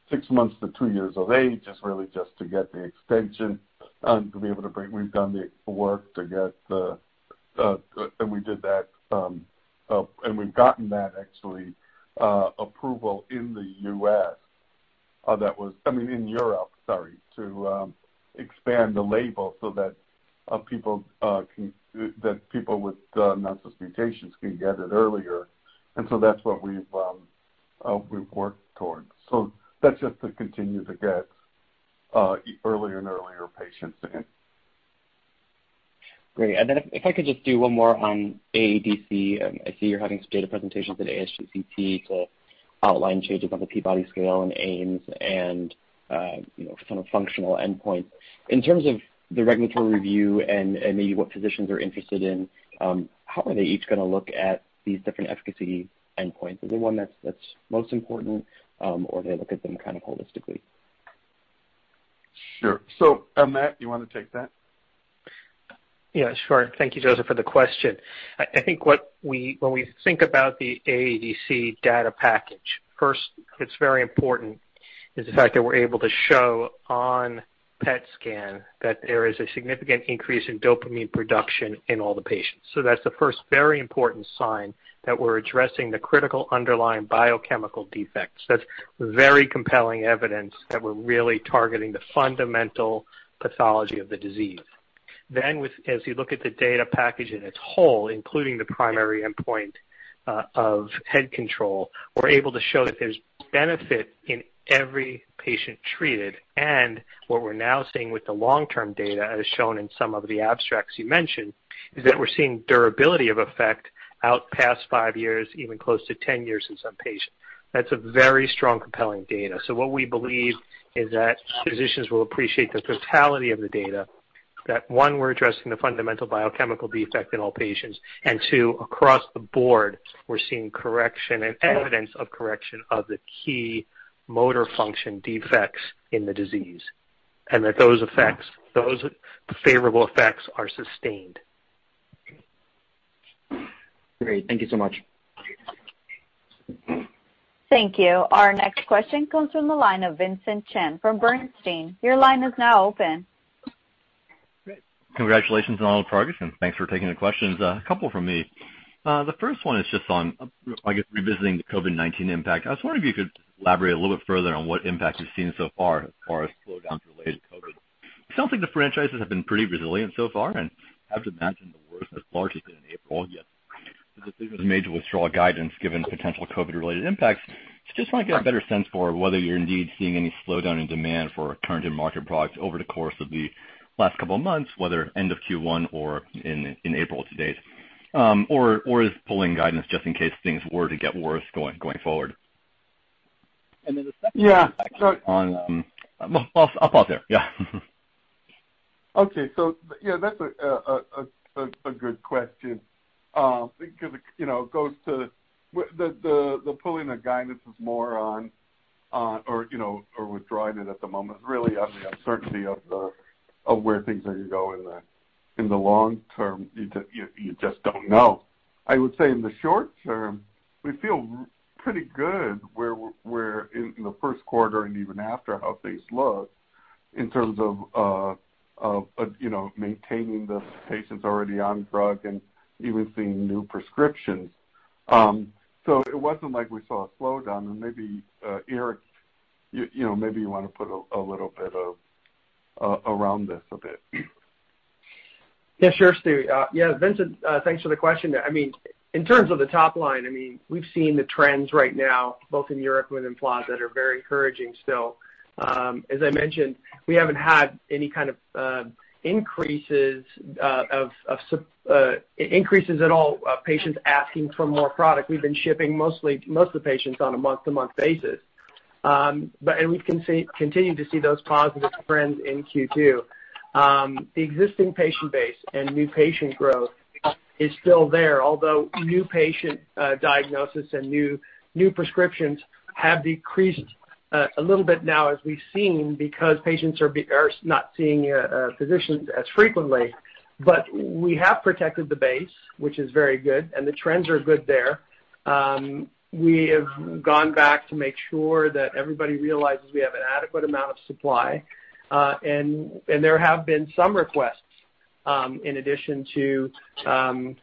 six months to two years of age, it's really just to get the extension. We've done the work, and we did that, and we've gotten that actually, approval in the U.S. I mean, in Europe, sorry, to expand the label so that people with nonsense mutations can get it earlier. That's what we've worked towards. That's just to continue to get earlier and earlier patients in. Great. If I could just do one more on AADC. I see you're having some data presentations at ASGCT to outline changes on the Peabody Scale and HINE-2 and sort of functional endpoints. In terms of the regulatory review and maybe what physicians are interested in, how are they each going to look at these different efficacy endpoints? Is there one that's most important, or do they look at them kind of holistically? Sure. Matt, do you want to take that? Yeah, sure. Thank you, Joseph, for the question. I think when we think about the AADC data package, first what's very important is the fact that we're able to show on PET scan that there is a significant increase in dopamine production in all the patients. That's the first very important sign that we're addressing the critical underlying biochemical defects. That's very compelling evidence that we're really targeting the fundamental pathology of the disease. As you look at the data package in its whole, including the primary endpoint of head control, we're able to show that there's benefit in every patient treated. What we're now seeing with the long-term data, as shown in some of the abstracts you mentioned, is that we're seeing durability of effect out past five years, even close to 10 years in some patients. That's a very strong, compelling data. What we believe is that physicians will appreciate the totality of the data, that one, we're addressing the fundamental biochemical defect in all patients, and two, across the board, we're seeing correction and evidence of correction of the key motor function defects in the disease, and that those favorable effects are sustained. Great. Thank you so much. Thank you. Our next question comes from the line of Vincent Chen from Bernstein. Your line is now open. Congratulations on all the progress. Thanks for taking the questions. A couple from me. The first one is just on, I guess, revisiting the COVID-19 impact. I was wondering if you could elaborate a little bit further on what impact you've seen so far as far as slowdowns related to COVID. It sounds like the franchises have been pretty resilient so far, and I have to imagine the worst has largely been in April, yet the decision was made to withdraw guidance given potential COVID-related impacts. Just want to get a better sense for whether you're indeed seeing any slowdown in demand for current and market products over the course of the last couple of months, whether end of Q1 or in April to date. Or is it pulling guidance just in case things were to get worse going forward? Okay. Yeah, that's a good question because the pulling of guidance is more on, or withdrawing it at the moment is really on the uncertainty of where things are going to go in the long term. You just don't know. I would say in the short term, we feel pretty good where in the first quarter and even after how things look in terms of maintaining the patients already on drug and even seeing new prescriptions. It wasn't like we saw a slowdown and maybe, Eric, maybe you want to put a little bit around this a bit. Yeah, sure, Stu. Yeah, Vincent, thanks for the question. In terms of the top line, we've seen the trends right now, both in Europe and Latin America that are very encouraging still. As I mentioned, we haven't had any kind of increases at all, patients asking for more product. We've been shipping most of the patients on a month-to-month basis. We continue to see those positive trends in Q2. The existing patient base and new patient growth is still there, although new patient diagnosis and new prescriptions have decreased a little bit now as we've seen because patients are not seeing a physician as frequently. We have protected the base, which is very good, and the trends are good there. We have gone back to make sure that everybody realizes we have an adequate amount of supply. There have been some requests, in addition to the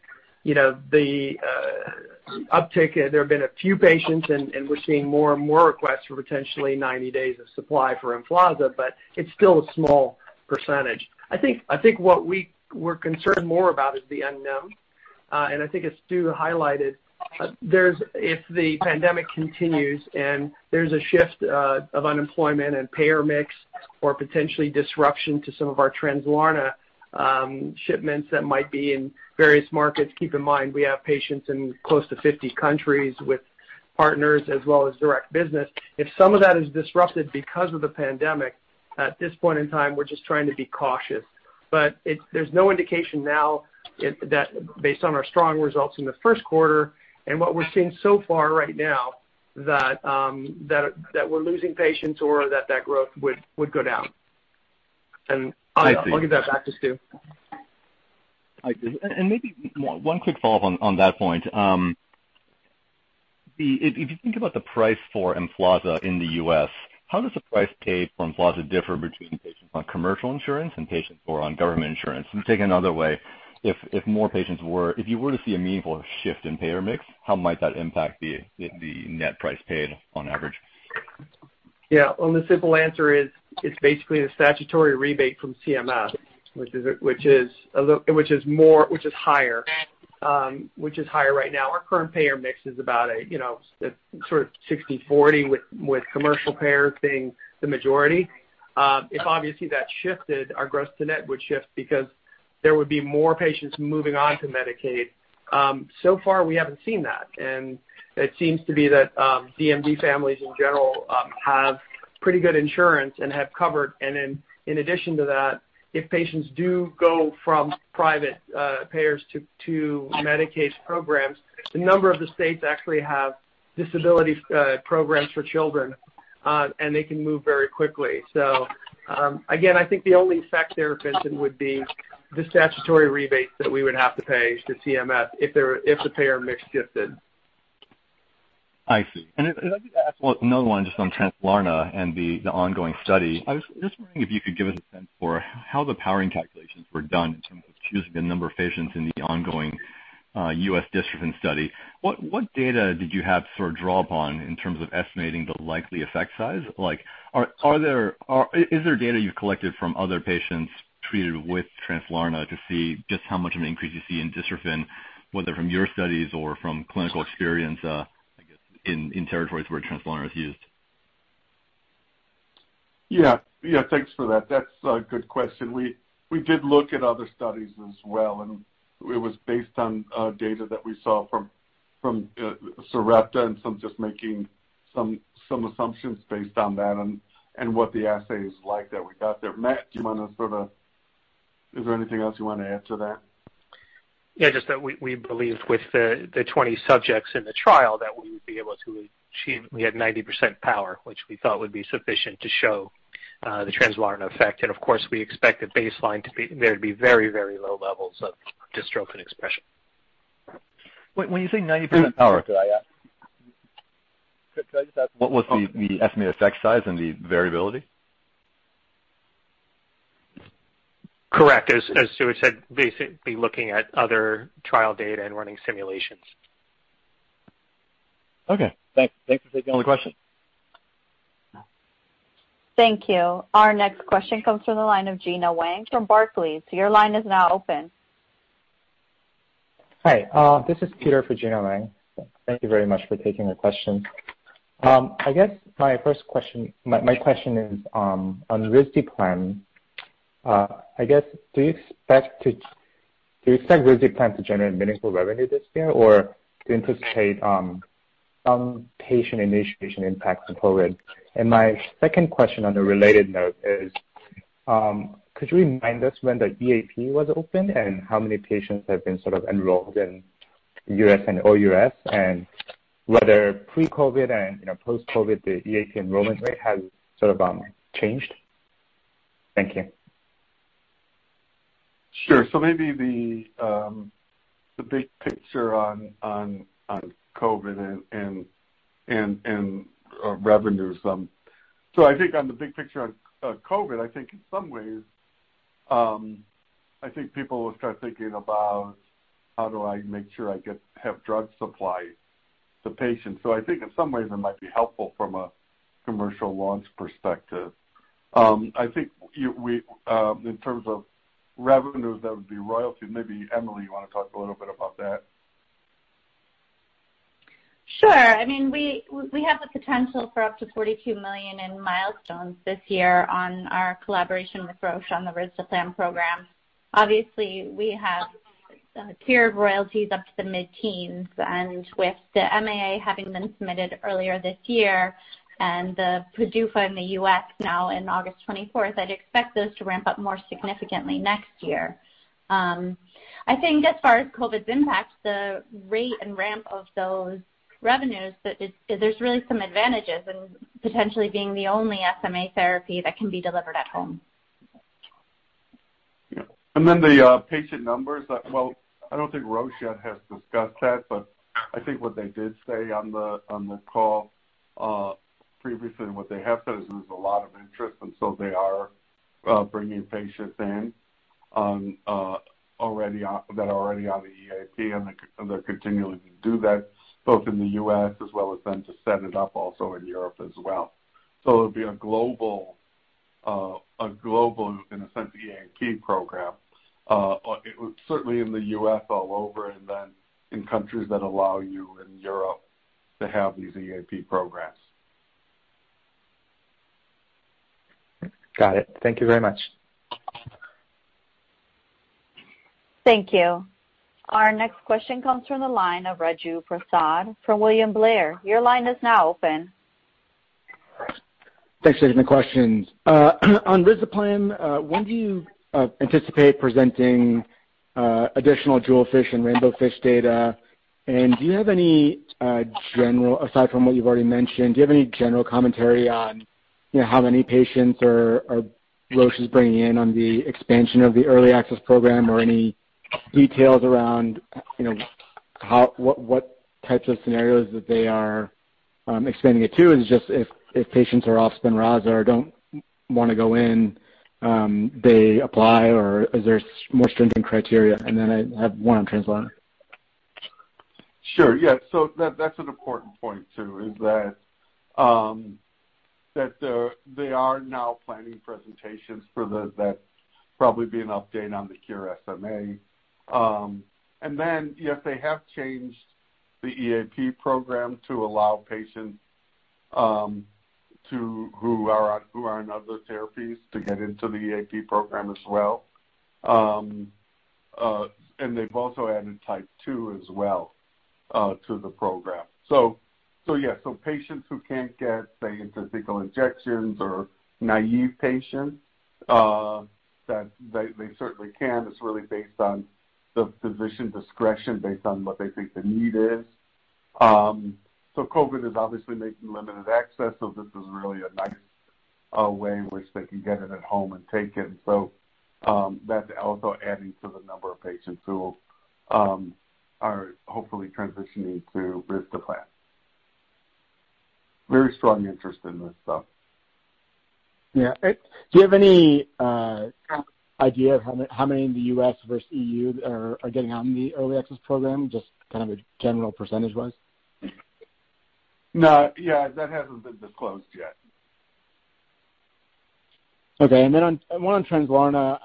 uptick. There have been a few patients, and we're seeing more and more requests for potentially 90 days of supply for EMFLAZA, but it's still a small percentage. I think what we're concerned more about is the unknown. I think as Stu highlighted, if the pandemic continues and there's a shift of unemployment and payer mix or potentially disruption to some of our Translarna shipments that might be in various markets, keep in mind we have patients in close to 50 countries with partners as well as direct business. If some of that is disrupted because of the pandemic, at this point in time, we're just trying to be cautious. There's no indication now that, based on our strong results in the first quarter and what we're seeing so far right now, that we're losing patients or that that growth would go down. I'll give that back to Stu. Maybe one quick follow-up on that point. If you think about the price for EMFLAZA in the U.S., how does the price paid for EMFLAZA differ between patients on commercial insurance and patients who are on government insurance? Taking another way, if you were to see a meaningful shift in payer mix, how might that impact the net price paid on average? Yeah. Well, the simple answer is it's basically the statutory rebate from CMS, which is higher right now. Our current payer mix is about sort of 60/40, with commercial payer being the majority. If obviously that shifted, our gross to net would shift because there would be more patients moving on to Medicaid. Far we haven't seen that, and it seems to be that DMD families in general have pretty good insurance and have cover. In addition to that, if patients do go from private payers to Medicaid programs, a number of the states actually have disability programs for children, and they can move very quickly. Again, I think the only effect there, Vincent, would be the statutory rebates that we would have to pay to CMS if the payer mix shifted. I see. If I could ask another one just on Translarna and the ongoing study. I was just wondering if you could give us a sense for how the powering calculations were done in terms of choosing the number of patients in the ongoing U.S. dystrophin study. What data did you have sort of draw upon in terms of estimating the likely effect size? Is there data you've collected from other patients treated with Translarna to see just how much of an increase you see in dystrophin, whether from your studies or from clinical experience, I guess in territories where Translarna is used? Yeah. Thanks for that. That's a good question. We did look at other studies as well. It was based on data that we saw from Sarepta and from just making some assumptions based on that and what the assay is like that we got there. Matt, is there anything else you want to add to that? Yeah, just that we believed with the 20 subjects in the trial that we would be able to achieve. We had 90% power, which we thought would be sufficient to show the Translarna effect. Of course, we expect a baseline to be very, very low levels of dystrophin expression. When you say 90% power, could I ask, what was the estimated effect size and the variability? Correct. As Stuart said, basically looking at other trial data and running simulations. Okay. Thanks for taking all the questions. Thank you. Our next question comes from the line of Gena Wang from Barclays. Your line is now open. Hi. This is Peter for Gena Wang. Thank you very much for taking the question. I guess my question is on risdiplam. I guess, do you expect risdiplam to generate meaningful revenue this year or do you anticipate some patient initiation impact to COVID? My second question on a related note is, could you remind us when the EAP was opened and how many patients have been sort of enrolled in U.S. and OUS and whether pre-COVID and post-COVID, the EAP enrollment rate has sort of changed? Thank you. Sure. Maybe the big picture on COVID and revenues. I think on the big picture on COVID, in some ways, I think people will start thinking about how do I make sure I have drug supply to patients. I think in some ways it might be helpful from a commercial launch perspective. I think in terms of revenues, that would be royalty. Maybe Emily, you want to talk a little bit about that? Sure. We have the potential for up to $42 million in milestones this year on our collaboration with Roche on the risdiplam program. Obviously, tiered royalties up to the mid-teens. With the MAA having been submitted earlier this year and the PDUFA in the U.S. now in August 24th, I'd expect those to ramp up more significantly next year. I think as far as COVID's impact, the rate and ramp of those revenues, there's really some advantages in potentially being the only SMA therapy that can be delivered at home. Yeah. The patient numbers, well, I don't think Roche yet has discussed that, but I think what they did say on the call previously and what they have said is there's a lot of interest, and so they are bringing patients in that are already on the EAP, and they're continuing to do that both in the U.S. as well as then to set it up also in Europe as well. It'll be a global, in a sense, EAP program. Certainly in the U.S. all over and then in countries that allow you in Europe to have these EAP programs. Got it. Thank you very much. Thank you. Our next question comes from the line of Raju Prasad from William Blair. Your line is now open. Thanks for taking the questions. On risdiplam, when do you anticipate presenting additional JEWELFISH and RAINBOWFISH data? Aside from what you've already mentioned, do you have any general commentary on how many patients Roche is bringing in on the expansion of the EAP or any details around what types of scenarios that they are expanding it to? Is it just if patients are off Spinraza or don't want to go in, they apply, or is there more stringent criteria? I have one on Translarna. Sure, yeah. That's an important point, too, is that they are now planning presentations for that. It will probably be an update on the Cure SMA. Yes, they have changed the EAP Program to allow patients who are on other therapies to get into the EAP Program as well. They've also added type 2 as well to the program. Yeah. Patients who can't get, say, intrathecal injections or naive patients, they certainly can. It's really based on the physician's discretion based on what they think the need is. COVID-19 is obviously making limited access, so this is really a nice way in which they can get it at home and take it. That's also adding to the number of patients who are hopefully transitioning to risdiplam. Very strong interest in this stuff. Yeah. Do you have any idea of how many in the U.S. versus E.U. are getting on the early access program, just kind of a general percentage-wise? No. Yeah, that hasn't been disclosed yet. Okay. One on Translarna,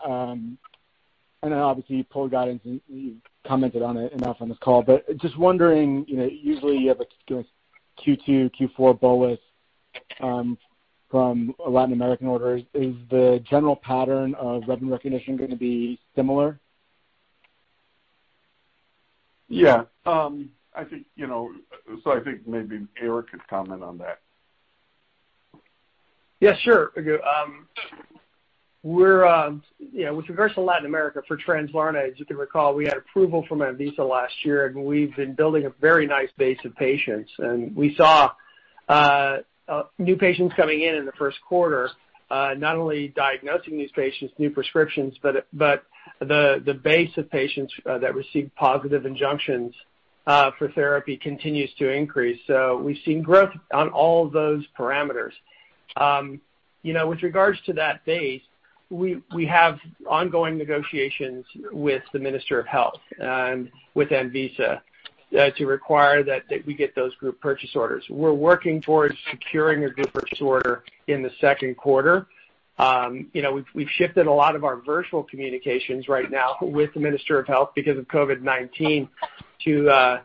and then obviously you pulled guidance and you commented on it enough on this call, but just wondering, usually you have a kind of Q2, Q4 bolus from Latin American orders. Is the general pattern of revenue recognition going to be similar? Yeah. I think maybe Eric could comment on that. Yeah, sure. With regards to Latin America for Translarna, as you can recall, we had approval from ANVISA last year, we've been building a very nice base of patients. We saw new patients coming in in the first quarter. Not only diagnosing these patients, new prescriptions, the base of patients that received positive injunctions for therapy continues to increase. We've seen growth on all those parameters. With regards to that base, we have ongoing negotiations with the Ministry of Health and with ANVISA to require that we get those group purchase orders. We're working towards securing a group purchase order in the second quarter. We've shifted a lot of our virtual communications right now with the Ministry of Health because of COVID-19 to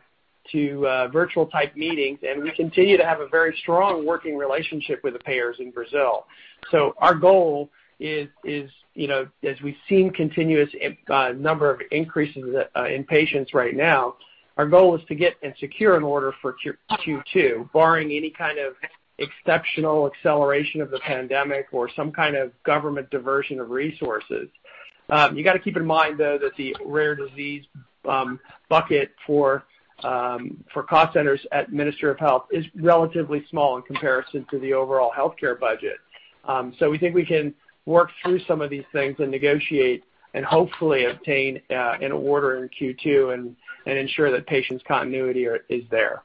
virtual-type meetings, we continue to have a very strong working relationship with the payers in Brazil. Our goal is, as we've seen continuous number of increases in patients right now, our goal is to get and secure an order for Q2, barring any kind of exceptional acceleration of the pandemic or some kind of government diversion of resources. You got to keep in mind, though, that the rare disease bucket for cost centers at Ministry of Health is relatively small in comparison to the overall healthcare budget. We think we can work through some of these things and negotiate and hopefully obtain an order in Q2 and ensure that patients' continuity is there.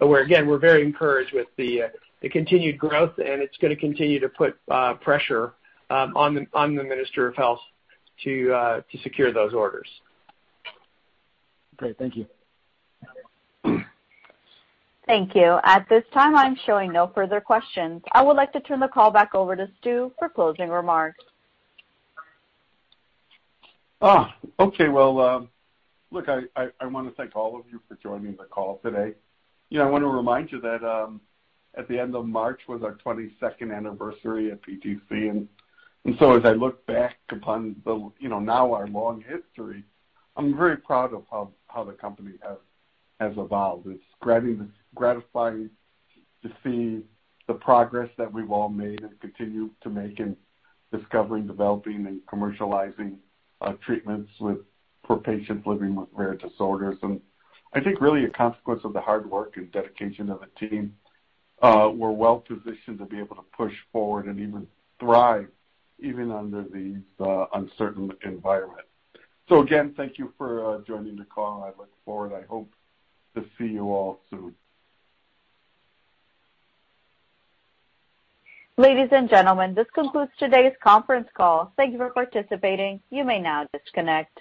Again, we're very encouraged with the continued growth, and it's going to continue to put pressure on the Ministry of Health to secure those orders. Great. Thank you. Thank you. At this time, I'm showing no further questions. I would like to turn the call back over to Stu for closing remarks. Okay. Well, look, I want to thank all of you for joining the call today. I want to remind you that at the end of March was our 22nd anniversary at PTC. As I look back upon now our long history, I'm very proud of how the company has evolved. It's gratifying to see the progress that we've all made and continue to make in discovering, developing, and commercializing treatments for patients living with rare disorders. I think really a consequence of the hard work and dedication of the team, we're well-positioned to be able to push forward and even thrive, even under these uncertain environments. Again, thank you for joining the call. I look forward, I hope, to see you all soon. Ladies and gentlemen, this concludes today's conference call. Thank you for participating. You may now disconnect.